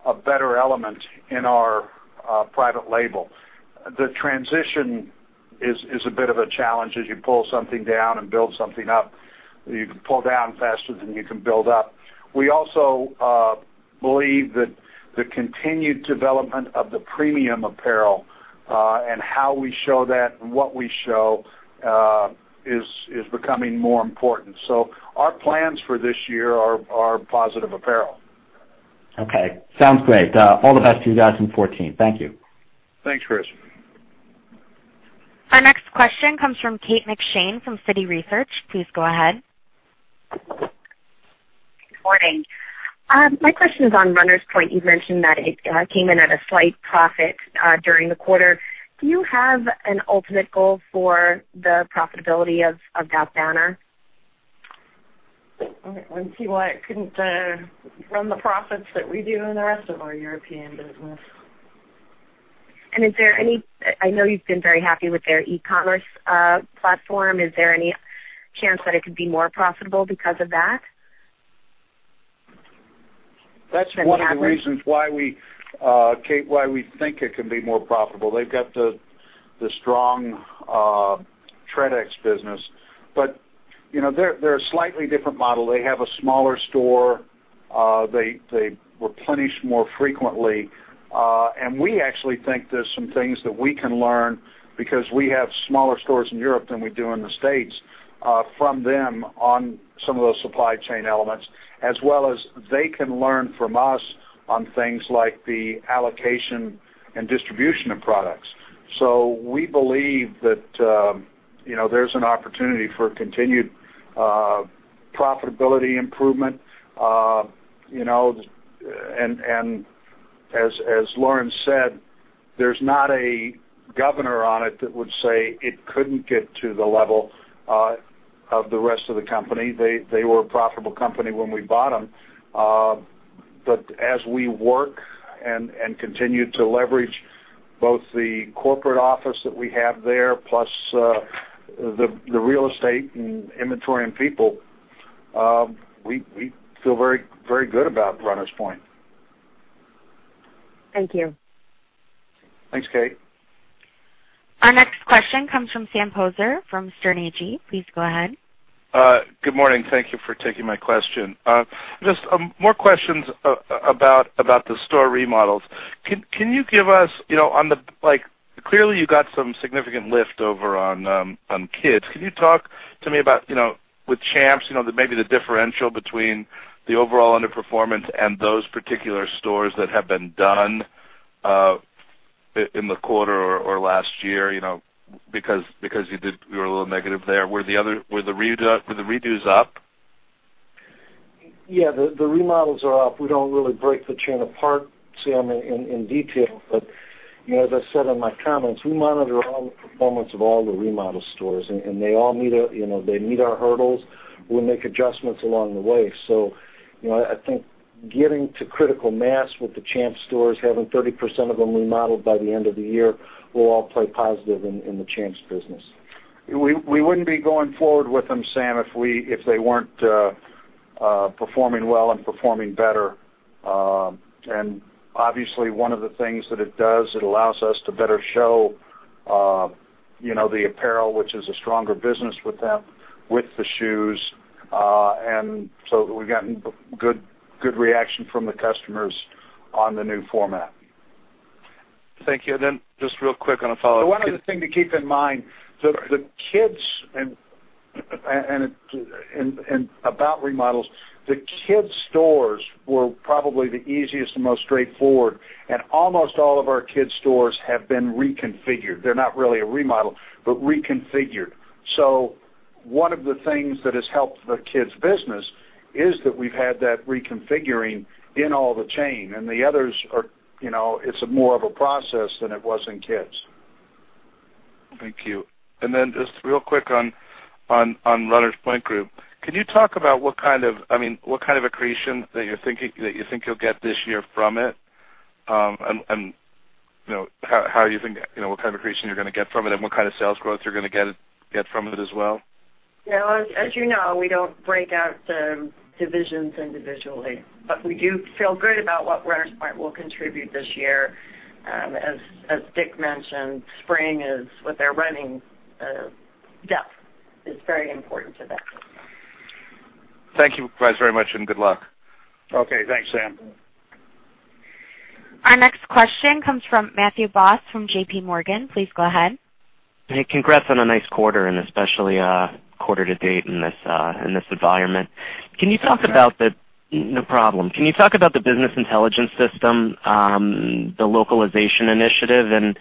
Speaker 5: a better element in our private label. The transition is a bit of a challenge as you pull something down and build something up. You can pull down faster than you can build up. We also believe that the continued development of the premium apparel, and how we show that and what we show, is becoming more important. Our plans for this year are positive apparel.
Speaker 8: Okay. Sounds great. All the best 2014. Thank you.
Speaker 5: Thanks, Chris.
Speaker 1: Our next question comes from Kate McShane from Citi Research. Please go ahead.
Speaker 9: Good morning. My question is on Runners Point. You've mentioned that it came in at a slight profit during the quarter. Do you have an ultimate goal for the profitability of that banner?
Speaker 5: I don't see why it couldn't run the profits that we do in the rest of our European business.
Speaker 9: I know you've been very happy with their e-commerce platform. Is there any chance that it could be more profitable because of that?
Speaker 5: That's one of the reasons, Kate, why we think it can be more profitable. They've got the strong direct-to-consumer business. They're a slightly different model. They have a smaller store. They replenish more frequently. We actually think there's some things that we can learn because we have smaller stores in Europe than we do in the States, from them on some of those supply chain elements, as well as they can learn from us on things like the allocation and distribution of products. We believe that there's an opportunity for continued profitability improvement. As Lauren said, there's not a governor on it that would say it couldn't get to the level of the rest of the company. They were a profitable company when we bought them. As we work and continue to leverage both the corporate office that we have there, plus the real estate and inventory and people, we feel very good about Runners Point.
Speaker 9: Thank you.
Speaker 5: Thanks, Kate.
Speaker 1: Our next question comes from Sam Poser from Sterne Agee. Please go ahead.
Speaker 10: Good morning. Thank you for taking my question. Just more questions about the store remodels. Can you give us clearly, you got some significant lift over on Kids. Can you talk to me about with Champs, maybe the differential between the overall underperformance and those particular stores that have been done in the quarter or last year, because you were a little negative there. Were the remodels up?
Speaker 4: Yeah, the remodels are up. We don't really break the chain apart, Sam, in detail. As I said in my comments, we monitor all the performance of all the remodel stores, and they meet our hurdles. We make adjustments along the way. I think getting to critical mass with the Champs stores, having 30% of them remodeled by the end of the year, will all play positive in the Champs business.
Speaker 5: We wouldn't be going forward with them, Sam, if they weren't performing well and performing better. Obviously, one of the things that it does, it allows us to better show the apparel, which is a stronger business with them, with the shoes. We've gotten good reaction from the customers on the new format. Thank you. Just real quick on a follow-up. One other thing to keep in mind. About remodels, the kids' stores were probably the easiest and most straightforward, and almost all of our kids' stores have been reconfigured. They're not really a remodel, but reconfigured. One of the things that has helped the kids' business is that we've had that reconfiguring in all the chain. The others, it's more of a process than it was in kids. Thank you. Just real quick on Runners Point Group.
Speaker 10: Could you talk about what kind of accretion that you think you'll get this year from it? What kind of accretion you're going to get from it, and what kind of sales growth you're going to get from it as well?
Speaker 3: Yeah. As you know, we don't break out the divisions individually, but we do feel good about what Runners Point will contribute this year. As Dick mentioned, spring is, with their running depth, is very important to them.
Speaker 5: Thank you guys very much, and good luck. Okay. Thanks, Sam.
Speaker 1: Our next question comes from Matthew Boss from J.P. Morgan. Please go ahead.
Speaker 11: Hey, congrats on a nice quarter, and especially quarter to date in this environment. Can you talk about
Speaker 5: Thanks, Matt.
Speaker 11: No problem. Can you talk about the business intelligence system, the localization initiative and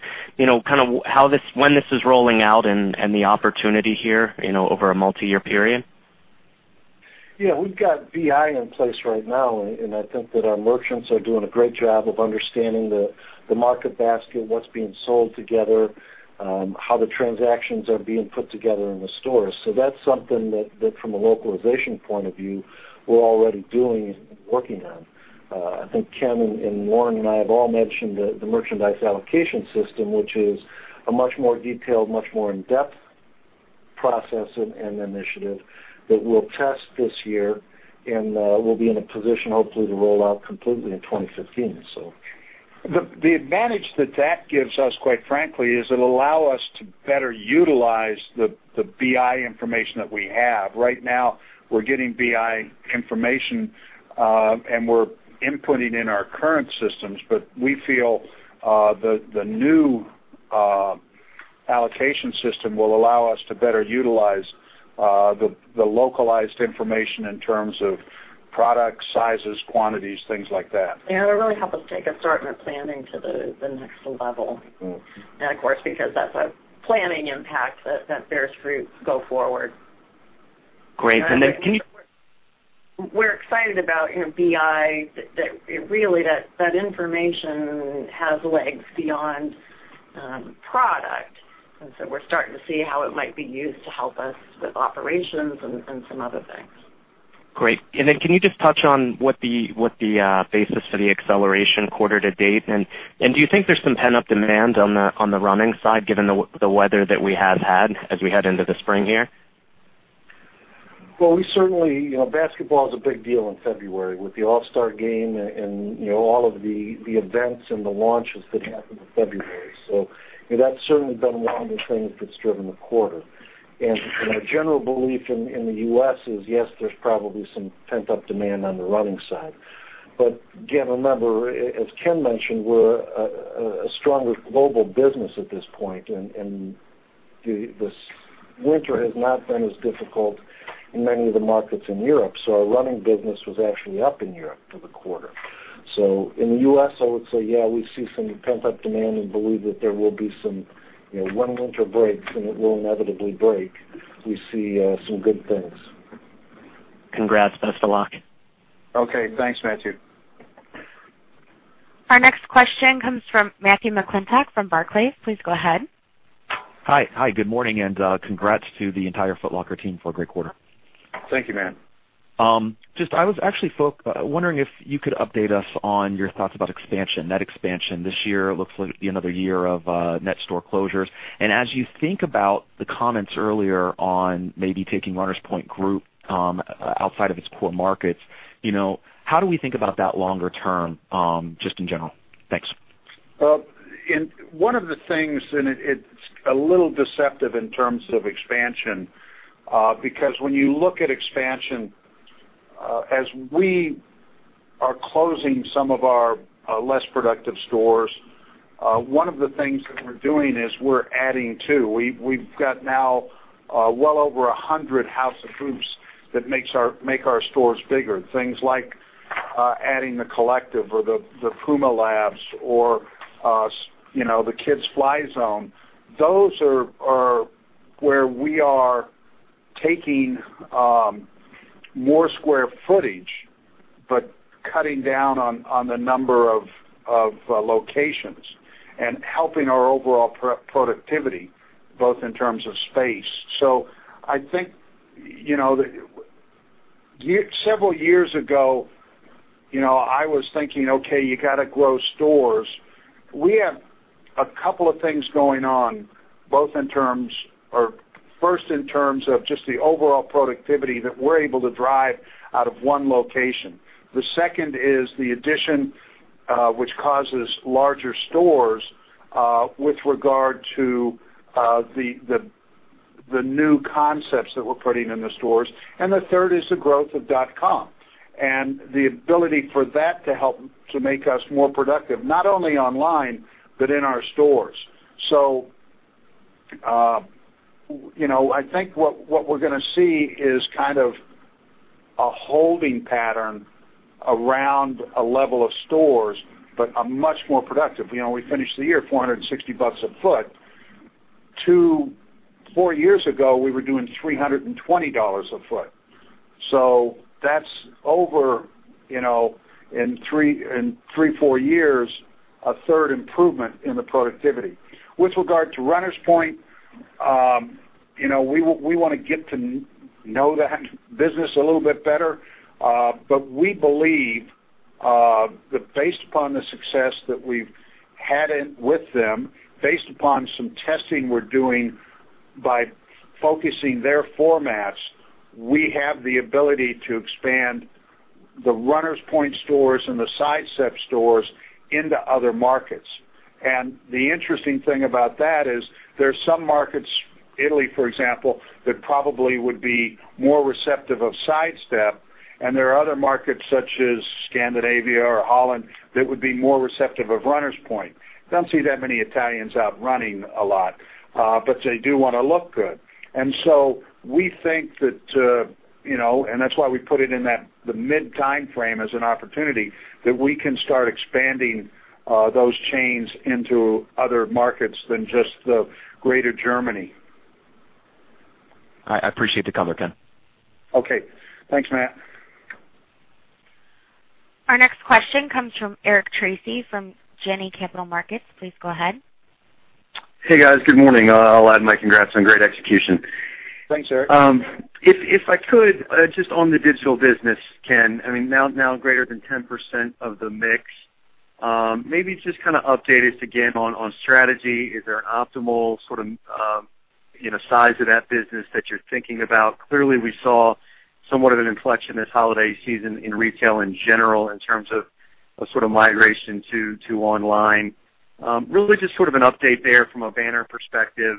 Speaker 11: kind of when this is rolling out and the opportunity here, over a multi-year period?
Speaker 5: Yeah. We've got BI in place right now, and I think that our merchants are doing a great job of understanding the market basket, what's being sold together, how the transactions are being put together in the stores. That's something that from a localization point of view, we're already doing and working on. I think Ken and Lauren and I have all mentioned the merchandise allocation system, which is a much more detailed, much more in-depth process and initiative that we'll test this year and we'll be in a position, hopefully, to roll out completely in 2015. The advantage that gives us, quite frankly, is it'll allow us to better utilize the BI information that we have. Right now, we're getting BI information, and we're inputting in our current systems. We feel the new allocation system will allow us to better utilize the localized information in terms of product, sizes, quantities, things like that.
Speaker 3: Yeah. It'll really help us take assortment planning to the next level. Of course, because that's a planning impact that bears fruit go forward.
Speaker 11: Great.
Speaker 3: We're excited about BI, that really that information has legs beyond product. We're starting to see how it might be used to help us with operations and some other things.
Speaker 11: Great. Can you just touch on what the basis for the acceleration quarter to date? Do you think there's some pent-up demand on the running side, given the weather that we have had as we head into the spring here?
Speaker 4: Well, basketball's a big deal in February with the All-Star Game and all of the events and the launches that happen in February. That's certainly been one of the things that's driven the quarter. Our general belief in the U.S. is, yes, there's probably some pent-up demand on the running side. Again, remember, as Ken mentioned, we're a stronger global business at this point, and this winter has not been as difficult in many of the markets in Europe. Our running business was actually up in Europe for the quarter. In the U.S., I would say, yeah, we see some pent-up demand and believe that there will be some, when winter breaks, and it will inevitably break, we see some good things.
Speaker 11: Congrats. Best of luck.
Speaker 4: Okay. Thanks, Matthew.
Speaker 1: Our next question comes from Matthew McClintock from Barclays. Please go ahead.
Speaker 12: Hi. Good morning. Congrats to the entire Foot Locker team for a great quarter.
Speaker 4: Thank you, Matt.
Speaker 12: I was actually wondering if you could update us on your thoughts about expansion, net expansion this year. It looks like it'll be another year of net store closures. As you think about the comments earlier on maybe taking Runners Point Group outside of its core markets, how do we think about that longer term, just in general? Thanks.
Speaker 4: One of the things, and it's a little deceptive in terms of expansion because when you look at expansion, as we are closing some of our less productive stores, one of the things that we're doing is we're adding too. We've got now well over 100 House of Hoops that make our stores bigger. Things like adding the Collective or the Puma Labs or the Kids Fly Zone. Those are where we are taking more square footage, but cutting down on the number of locations and helping our overall productivity, both in terms of space. I think, several years ago, I was thinking, okay, you got to grow stores. We have a couple of things going on, both in terms of just the overall productivity that we're able to drive out of one location.
Speaker 5: The second is the addition, which causes larger stores with regard to the new concepts that we're putting in the stores, and the third is the growth of dot-com and the ability for that to help to make us more productive, not only online, but in our stores. I think what we're going to see is kind of a holding pattern around a level of stores, but a much more productive. We finished the year $460 a foot. To four years ago, we were doing $320 a foot. That's over, in three, four years, a third improvement in the productivity. With regard to Runners Point, we want to get to know that business a little bit better. We believe that based upon the success that we've had with them, based upon some testing we're doing by focusing their formats, we have the ability to expand the Runners Point stores and the Sidestep stores into other markets. The interesting thing about that is there are some markets, Italy, for example, that probably would be more receptive of Sidestep, and there are other markets such as Scandinavia or Holland, that would be more receptive of Runners Point. Don't see that many Italians out running a lot. They do want to look good. We think that, and that's why we put it in the mid time frame as an opportunity that we can start expanding those chains into other markets than just the greater Germany.
Speaker 12: I appreciate the color, Ken.
Speaker 5: Okay. Thanks, Matt.
Speaker 1: Our next question comes from Eric Tracy from Janney Capital Markets. Please go ahead.
Speaker 13: Hey, guys. Good morning. I'll add my congrats on great execution.
Speaker 5: Thanks, Eric.
Speaker 13: If I could, just on the digital business, Ken. Now greater than 10% of the mix. Maybe just kind of update us again on strategy. Is there an optimal sort of size of that business that you're thinking about? Clearly, we saw somewhat of an inflection this holiday season in retail in general in terms of sort of migration to online. Really just sort of an update there from a banner perspective,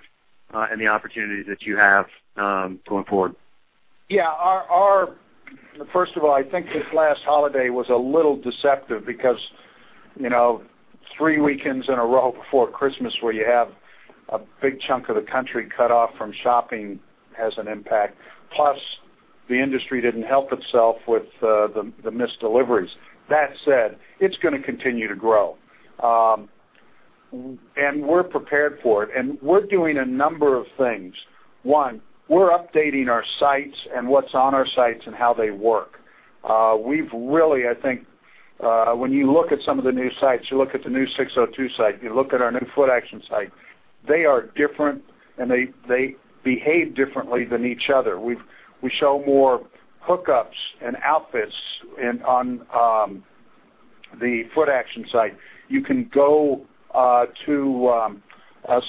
Speaker 13: and the opportunities that you have, going forward.
Speaker 5: Yeah. First of all, I think this last holiday was a little deceptive because three weekends in a row before Christmas where you have a big chunk of the country cut off from shopping has an impact. The industry didn't help itself with the missed deliveries. That said, it's going to continue to grow. We're prepared for it, and we're doing a number of things. One, we're updating our sites and what's on our sites and how they work. We've really when you look at some of the new sites, you look at the new SIX:02 site, you look at our new Footaction site, they are different, and they behave differently than each other. We show more hookups and outfits on the Footaction site. You can go to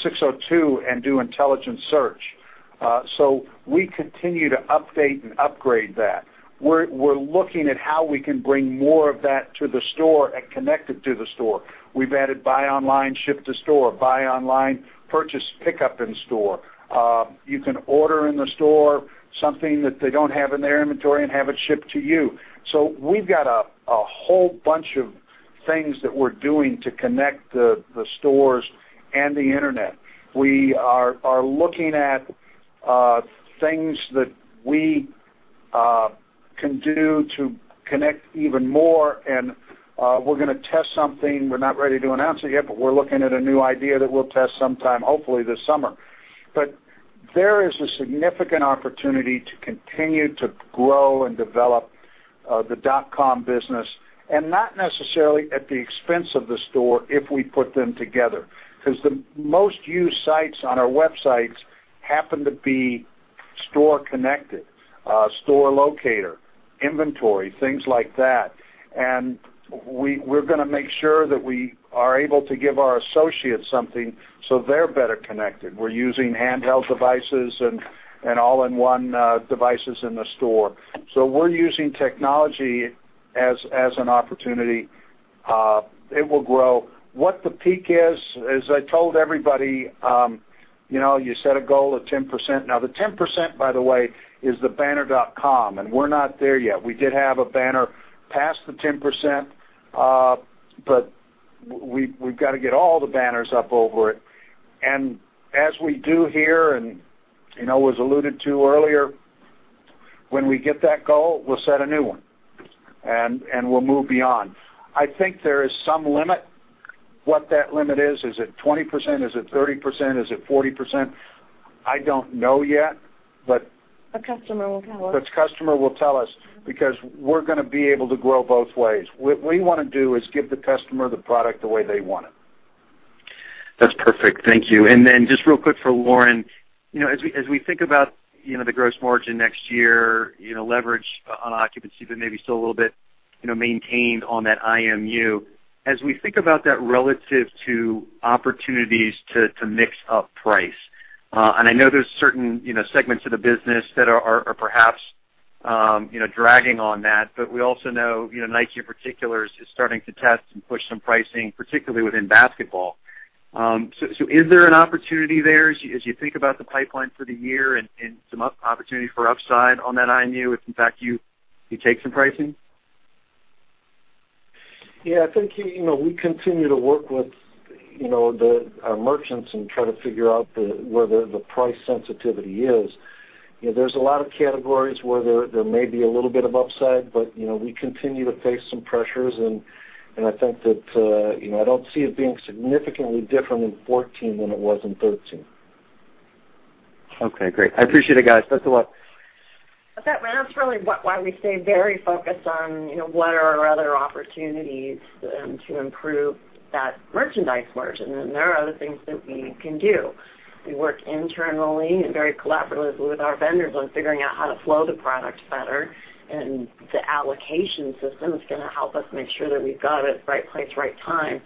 Speaker 5: SIX:02 and do intelligent search. We continue to update and upgrade that. We're looking at how we can bring more of that to the store and connect it to the store. We've added buy online, ship to store, buy online, purchase pickup in store. You can order in the store something that they don't have in their inventory and have it shipped to you. We've got a whole bunch of things that we're doing to connect the stores and the internet. We are looking at things that we can do to connect even more and we're going to test something. We're not ready to announce it yet, but we're looking at a new idea that we'll test sometime, hopefully, this summer. There is a significant opportunity to continue to grow and develop the dot.com business, and not necessarily at the expense of the store if we put them together. Because the most used sites on our websites happen to be store connected, store locator, inventory, things like that. We're going to make sure that we are able to give our associates something so they're better connected. We're using handheld devices and all-in-one devices in the store. We're using technology as an opportunity. It will grow. What the peak is, as I told everybody, you set a goal of 10%. The 10%, by the way, is the banner.com, and we're not there yet. We did have a banner past the 10%, but we've got to get all the banners up over it. As we do here, and was alluded to earlier, when we get that goal, we'll set a new one. We'll move beyond. I think there is some limit. What that limit is it 20%? Is it 30%? Is it 40%? I don't know yet.
Speaker 3: A customer will tell us.
Speaker 5: Customer will tell us because we're going to be able to grow both ways. What we want to do is give the customer the product the way they want it.
Speaker 13: Just real quick for Lauren. As we think about the gross margin next year, leverage on occupancy, but maybe still a little bit maintained on that IMU. As we think about that relative to opportunities to mix up price, I know there's certain segments of the business that are perhaps dragging on that, we also know Nike in particular is starting to test and push some pricing, particularly within basketball. Is there an opportunity there as you think about the pipeline for the year and some opportunity for upside on that IMU, if in fact you take some pricing?
Speaker 5: I think, we continue to work with our merchants and try to figure out where the price sensitivity is. There's a lot of categories where there may be a little bit of upside, we continue to face some pressures, I think that, I don't see it being significantly different in 2014 than it was in 2013.
Speaker 13: Great. I appreciate it, guys. Thanks a lot.
Speaker 3: That's really why we stay very focused on what are our other opportunities to improve that merchandise margin. There are other things that we can do. We work internally and very collaboratively with our vendors on figuring out how to flow the product better, the allocation system is going to help us make sure that we've got it right place, right time.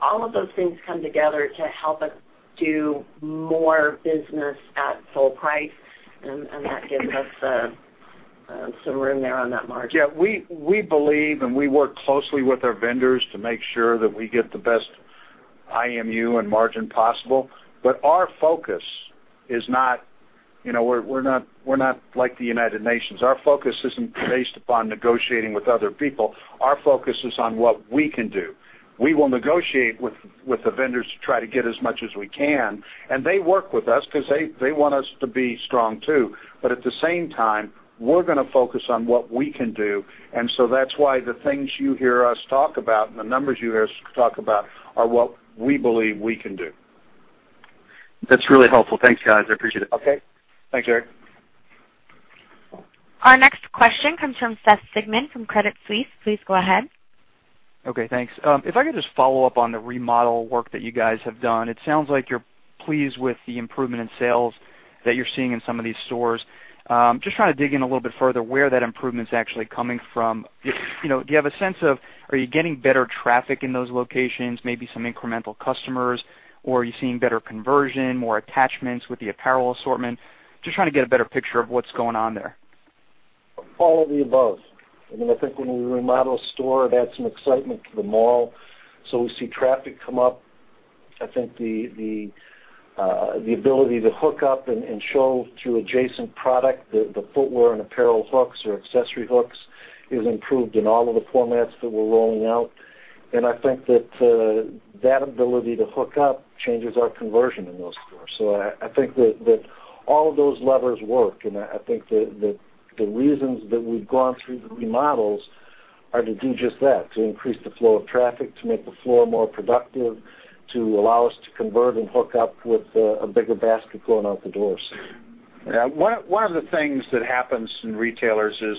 Speaker 3: All of those things come together to help us do more business at full price, that gives us some room there on that margin.
Speaker 5: Yeah, we believe and we work closely with our vendors to make sure that we get the best IMU and margin possible. Our focus is not We're not like the United Nations. Our focus isn't based upon negotiating with other people. Our focus is on what we can do. We will negotiate with the vendors to try to get as much as we can. They work with us because they want us to be strong, too. At the same time, we're going to focus on what we can do. That's why the things you hear us talk about and the numbers you hear us talk about are what we believe we can do.
Speaker 13: That's really helpful. Thanks, guys. I appreciate it.
Speaker 5: Okay. Thanks, Eric.
Speaker 1: Our next question comes from Seth Sigman from Credit Suisse. Please go ahead.
Speaker 14: Okay, thanks. If I could just follow up on the remodel work that you guys have done. It sounds like you're pleased with the improvement in sales that you're seeing in some of these stores. Just trying to dig in a little bit further where that improvement is actually coming from. Do you have a sense of, are you getting better traffic in those locations, maybe some incremental customers, or are you seeing better conversion, more attachments with the apparel assortment? Just trying to get a better picture of what's going on there.
Speaker 5: All of the above. I think when we remodel a store, it adds some excitement to the mall. We see traffic come up. I think the ability to hook up and show through adjacent product, the footwear and apparel hooks or accessory hooks, is improved in all of the formats that we're rolling out. I think that ability to hook up changes our conversion in those stores. I think that all of those levers work, and I think that the reasons that we've gone through the remodels are to do just that, to increase the flow of traffic, to make the floor more productive, to allow us to convert and hook up with a bigger basket going out the doors. Yeah. One of the things that happens in retailers is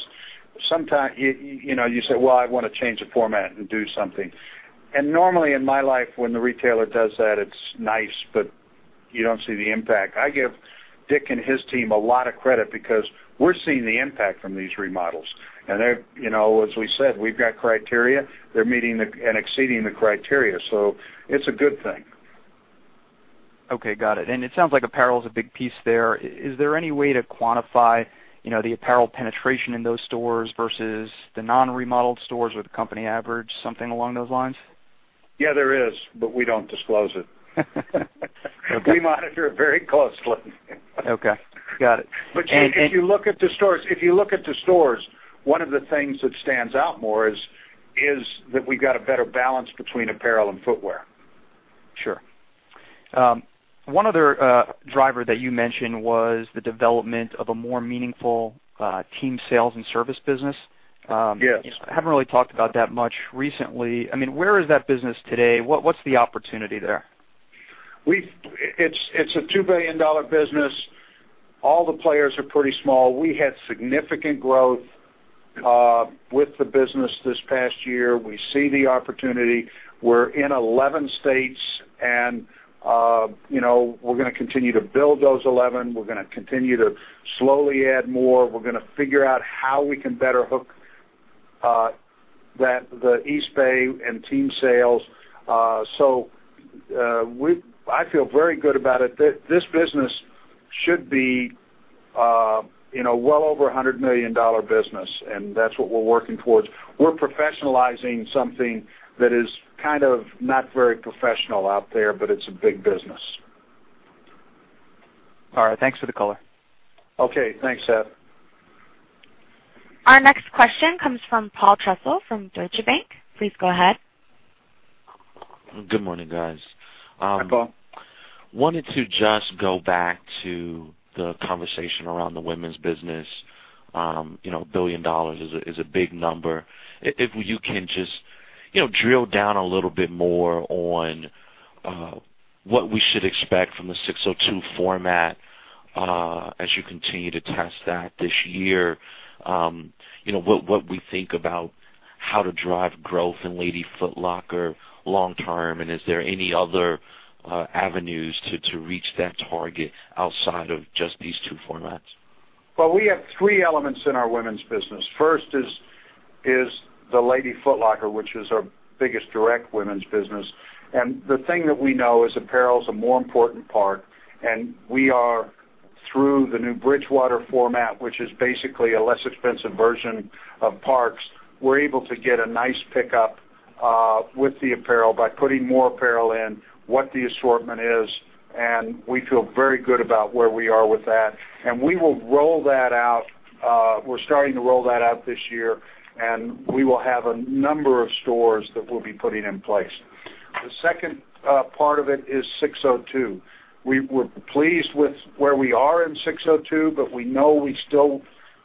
Speaker 5: sometimes you say, "Well, I want to change the format and do something." Normally, in my life, when the retailer does that, it's nice, but you don't see the impact. I give Dick and his team a lot of credit because we're seeing the impact from these remodels. As we said, we've got criteria. They're meeting and exceeding the criteria. It's a good thing.
Speaker 14: Okay, got it. It sounds like apparel is a big piece there. Is there any way to quantify the apparel penetration in those stores versus the non-remodeled stores or the company average, something along those lines?
Speaker 5: Yeah, there is, we don't disclose it.
Speaker 14: Okay.
Speaker 5: We monitor it very closely.
Speaker 14: Okay. Got it.
Speaker 5: If you look at the stores, one of the things that stands out more is that we've got a better balance between apparel and footwear.
Speaker 14: Sure. One other driver that you mentioned was the development of a more meaningful team sales and service business.
Speaker 5: Yes.
Speaker 14: Haven't really talked about that much recently. Where is that business today? What's the opportunity there?
Speaker 5: It's a $2 billion business. All the players are pretty small. We had significant growth with the business this past year. We see the opportunity. We're in 11 states, and we're going to continue to build those 11. We're going to continue to slowly add more. We're going to figure out how we can better hook the Eastbay and team sales. I feel very good about it. This business should be well over $100 million business, and that's what we're working towards. We're professionalizing something that is kind of not very professional out there, but it's a big business.
Speaker 14: All right. Thanks for the color.
Speaker 5: Okay. Thanks, Seth.
Speaker 1: Our next question comes from Paul Trussell from Deutsche Bank. Please go ahead.
Speaker 15: Good morning, guys.
Speaker 5: Hi, Paul.
Speaker 15: Wanted to just go back to the conversation around the women's business. Billion dollars is a big number. If you can just drill down a little bit more on what we should expect from the SIX:02 format as you continue to test that this year. What we think about how to drive growth in Lady Foot Locker long term, and is there any other avenues to reach that target outside of just these two formats?
Speaker 5: We have three elements in our women's business. First is the Lady Foot Locker, which is our biggest direct women's business. The thing that we know is apparel is a more important part, and we are through the new Bridgewater format, which is basically a less expensive version of Parks. We're able to get a nice pickup with the apparel by putting more apparel in, what the assortment is. We feel very good about where we are with that. We're starting to roll that out this year, and we will have a number of stores that we'll be putting in place. The second part of it is SIX:02. We were pleased with where we are in SIX:02, but we know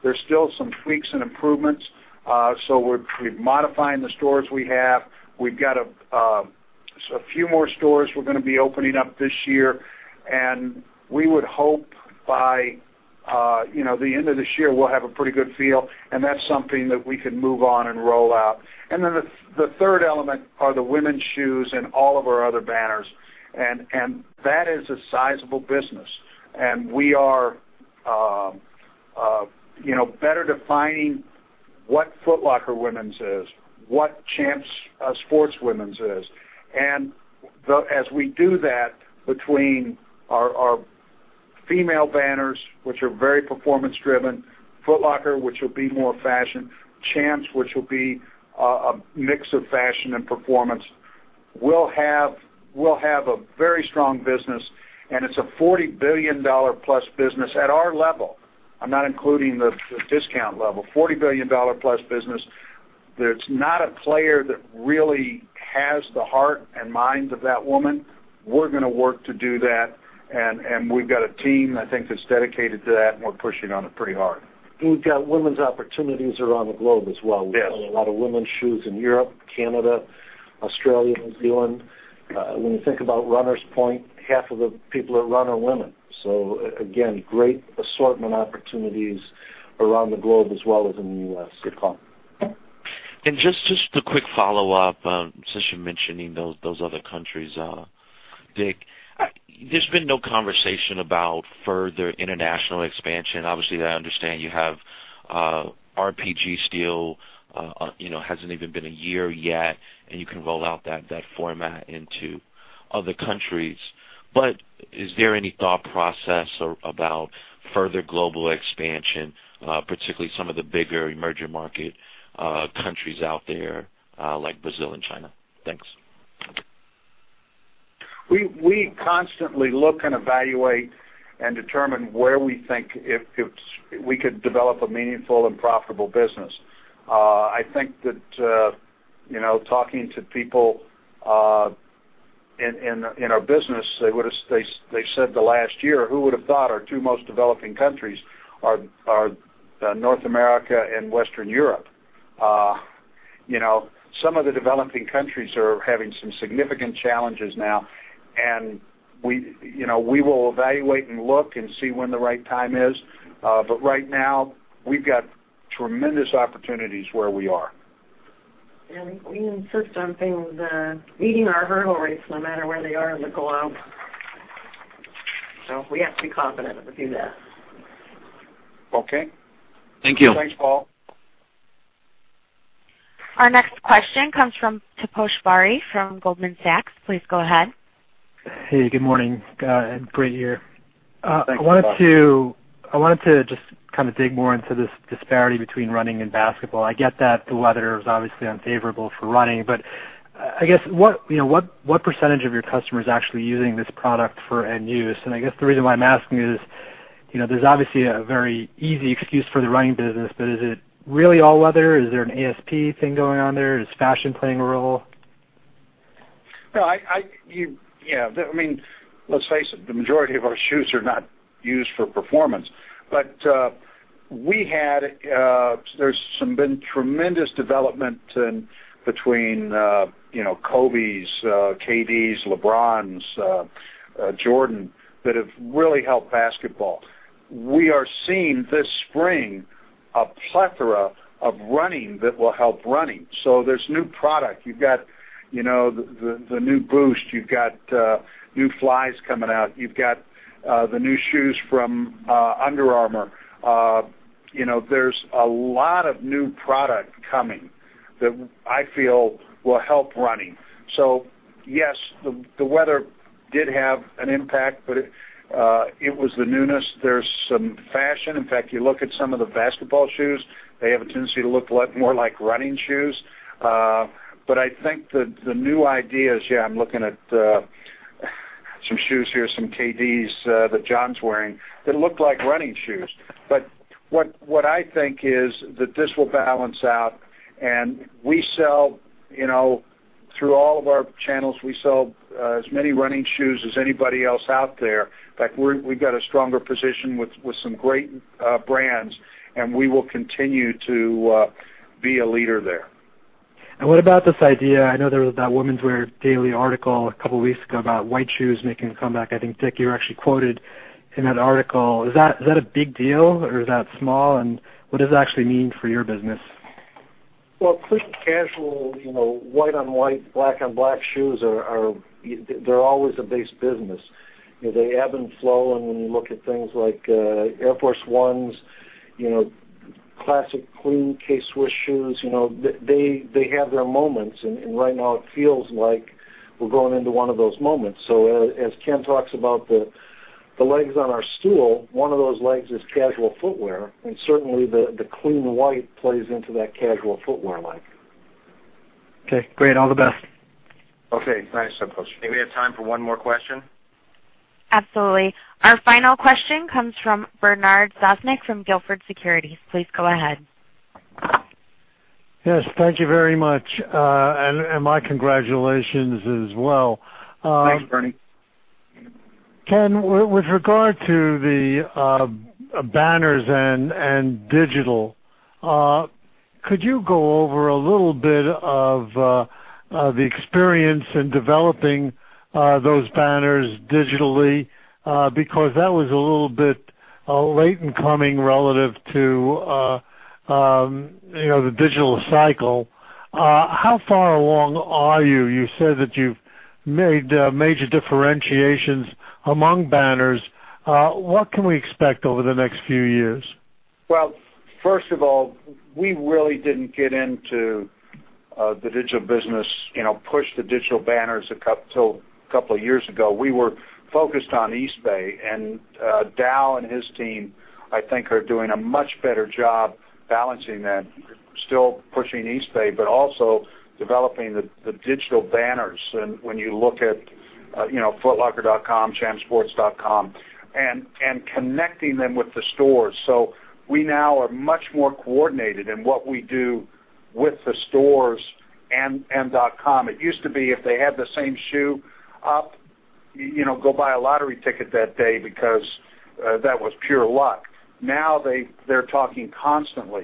Speaker 5: there's still some tweaks and improvements. We're modifying the stores we have. We've got a few more stores we're going to be opening up this year. We would hope by the end of this year, we'll have a pretty good feel, and that's something that we can move on and roll out. The third element are the women's shoes and all of our other banners. That is a sizable business. We are better defining what Foot Locker women's is, what Champs Sports women's is. As we do that between our female banners, which are very performance-driven, Foot Locker, which will be more fashion, Champs, which will be a mix of fashion and performance, we'll have a very strong business. It's a $40 billion-plus business at our level. I'm not including the discount level, $40 billion-plus business. There's not a player that really has the heart and mind of that woman. We're going to work to do that. We've got a team, I think, that's dedicated to that, and we're pushing on it pretty hard.
Speaker 4: We've got women's opportunities around the globe as well.
Speaker 5: Yes.
Speaker 4: A lot of women's shoes in Europe, Canada, Australia, New Zealand. When you think about Runners Point, half of the people at Run are women. Again, great assortment opportunities around the globe as well as in the U.S.
Speaker 5: Sure.
Speaker 15: Just a quick follow-up, since you're mentioning those other countries, Dick, there's been no conversation about further international expansion. Obviously, I understand you have RPG Steel, hasn't even been a year yet, and you can roll out that format into other countries. Is there any thought process about further global expansion, particularly some of the bigger emerging market countries out there, like Brazil and China? Thanks.
Speaker 4: We constantly look and evaluate and determine where we think if we could develop a meaningful and profitable business. I think that talking to people in our business, they said the last year, who would have thought our two most developing countries are North America and Western Europe. Some of the developing countries are having some significant challenges now, and we will evaluate and look and see when the right time is. Right now, we've got tremendous opportunities where we are. We insist on things, meeting our hurdle rates no matter where they are in the globe. We have to be confident to do that.
Speaker 5: Okay.
Speaker 15: Thank you.
Speaker 5: Thanks, Paul.
Speaker 1: Our next question comes from Taposh Bari from Goldman Sachs. Please go ahead.
Speaker 16: Hey, good morning. Great year.
Speaker 5: Thanks, Taposh.
Speaker 16: I wanted to just kind of dig more into this disparity between running and basketball. I get that the weather is obviously unfavorable for running. I guess, what % of your customers are actually using this product for end use? I guess the reason why I'm asking is, there's obviously a very easy excuse for the running business. Is it really all weather? Is there an ASP thing going on there? Is fashion playing a role?
Speaker 5: Let's face it, the majority of our shoes are not used for performance. There's been tremendous development between Kobe's, KD's, LeBron's, Jordan, that have really helped basketball. We are seeing this spring a plethora of running that will help running. There's new product. You've got the new Boost, you've got new Flyknits coming out. You've got the new shoes from Under Armour. There's a lot of new product coming that I feel will help running. Yes, the weather did have an impact. It was the newness. There's some fashion. In fact, you look at some of the basketball shoes, they have a tendency to look a lot more like running shoes. I think the new ideas, yeah, I'm looking at some shoes here, some KDs that John's wearing that look like running shoes. What I think is that this will balance out. Through all of our channels, we sell as many running shoes as anybody else out there. In fact, we've got a stronger position with some great brands. We will continue to be a leader there.
Speaker 16: What about this idea, I know there was that Women's Wear Daily article a couple of weeks ago about white shoes making a comeback. I think, Dick, you were actually quoted in that article. Is that a big deal or is that small? What does it actually mean for your business?
Speaker 4: Well, clean casual, white on white, black on black shoes, they're always a base business. They ebb and flow. When you look at things like Air Force 1, classic clean K-Swiss shoes, they have their moments. Right now it feels like we're going into one of those moments. As Ken talks about the legs on our stool, one of those legs is casual footwear. Certainly, the clean white plays into that casual footwear leg.
Speaker 16: Okay, great. All the best.
Speaker 5: Okay, thanks, Taposh.
Speaker 2: I think we have time for one more question.
Speaker 1: Absolutely. Our final question comes from Bernard Sosnick from Gilford Securities. Please go ahead.
Speaker 17: Yes, thank you very much. My congratulations as well.
Speaker 5: Thanks, Bernie.
Speaker 17: Ken, with regard to the banners and digital, could you go over a little bit of the experience in developing those banners digitally? That was a little bit late in coming relative to the digital cycle. How far along are you? You said that you've made major differentiations among banners. What can we expect over the next few years?
Speaker 5: Well, first of all, we really didn't get into the digital business, push the digital banners until a couple of years ago. We were focused on Eastbay, and Dal and his team, I think, are doing a much better job balancing that. Still pushing Eastbay, but also developing the digital banners, and when you look at footlocker.com, champssports.com, and connecting them with the stores. We now are much more coordinated in what we do with the stores and .com. It used to be if they had the same shoe up, go buy a lottery ticket that day because that was pure luck. Now they're talking constantly.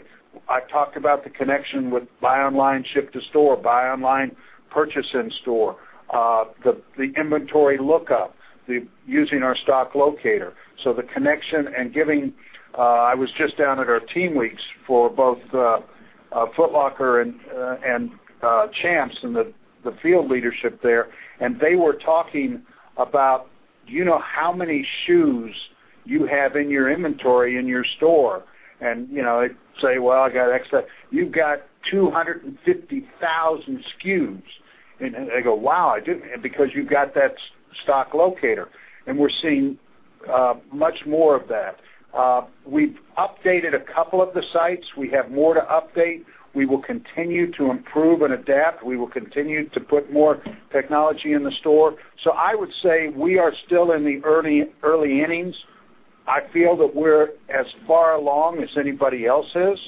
Speaker 5: I've talked about the connection with buy online, ship to store, buy online, purchase in store, the inventory lookup, using our stock locator. The connection, I was just down at our team weeks for both Foot Locker and Champs and the field leadership there, and they were talking about, do you know how many shoes you have in your inventory in your store? They say, "Well, I got extra." You've got 250,000 SKUs. They go, "Wow, I didn't." You've got that stock locator. We're seeing much more of that. We've updated a couple of the sites. We have more to update. We will continue to improve and adapt. We will continue to put more technology in the store. I would say we are still in the early innings. I feel that we're as far along as anybody else is.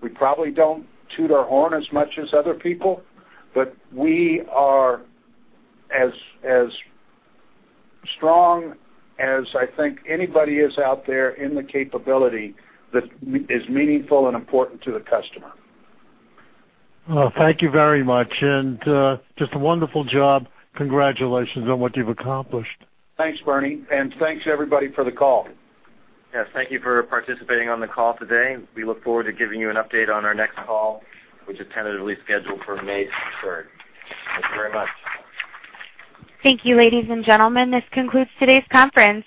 Speaker 5: We probably don't toot our horn as much as other people. We are as strong as I think anybody is out there in the capability that is meaningful and important to the customer.
Speaker 17: Well, thank you very much. Just a wonderful job. Congratulations on what you've accomplished.
Speaker 5: Thanks, Bernie. Thanks, everybody, for the call.
Speaker 2: Yes, thank you for participating on the call today. We look forward to giving you an update on our next call, which is tentatively scheduled for [May 3rd]. Thank you very much.
Speaker 1: Thank you, ladies and gentlemen. This concludes today's conference.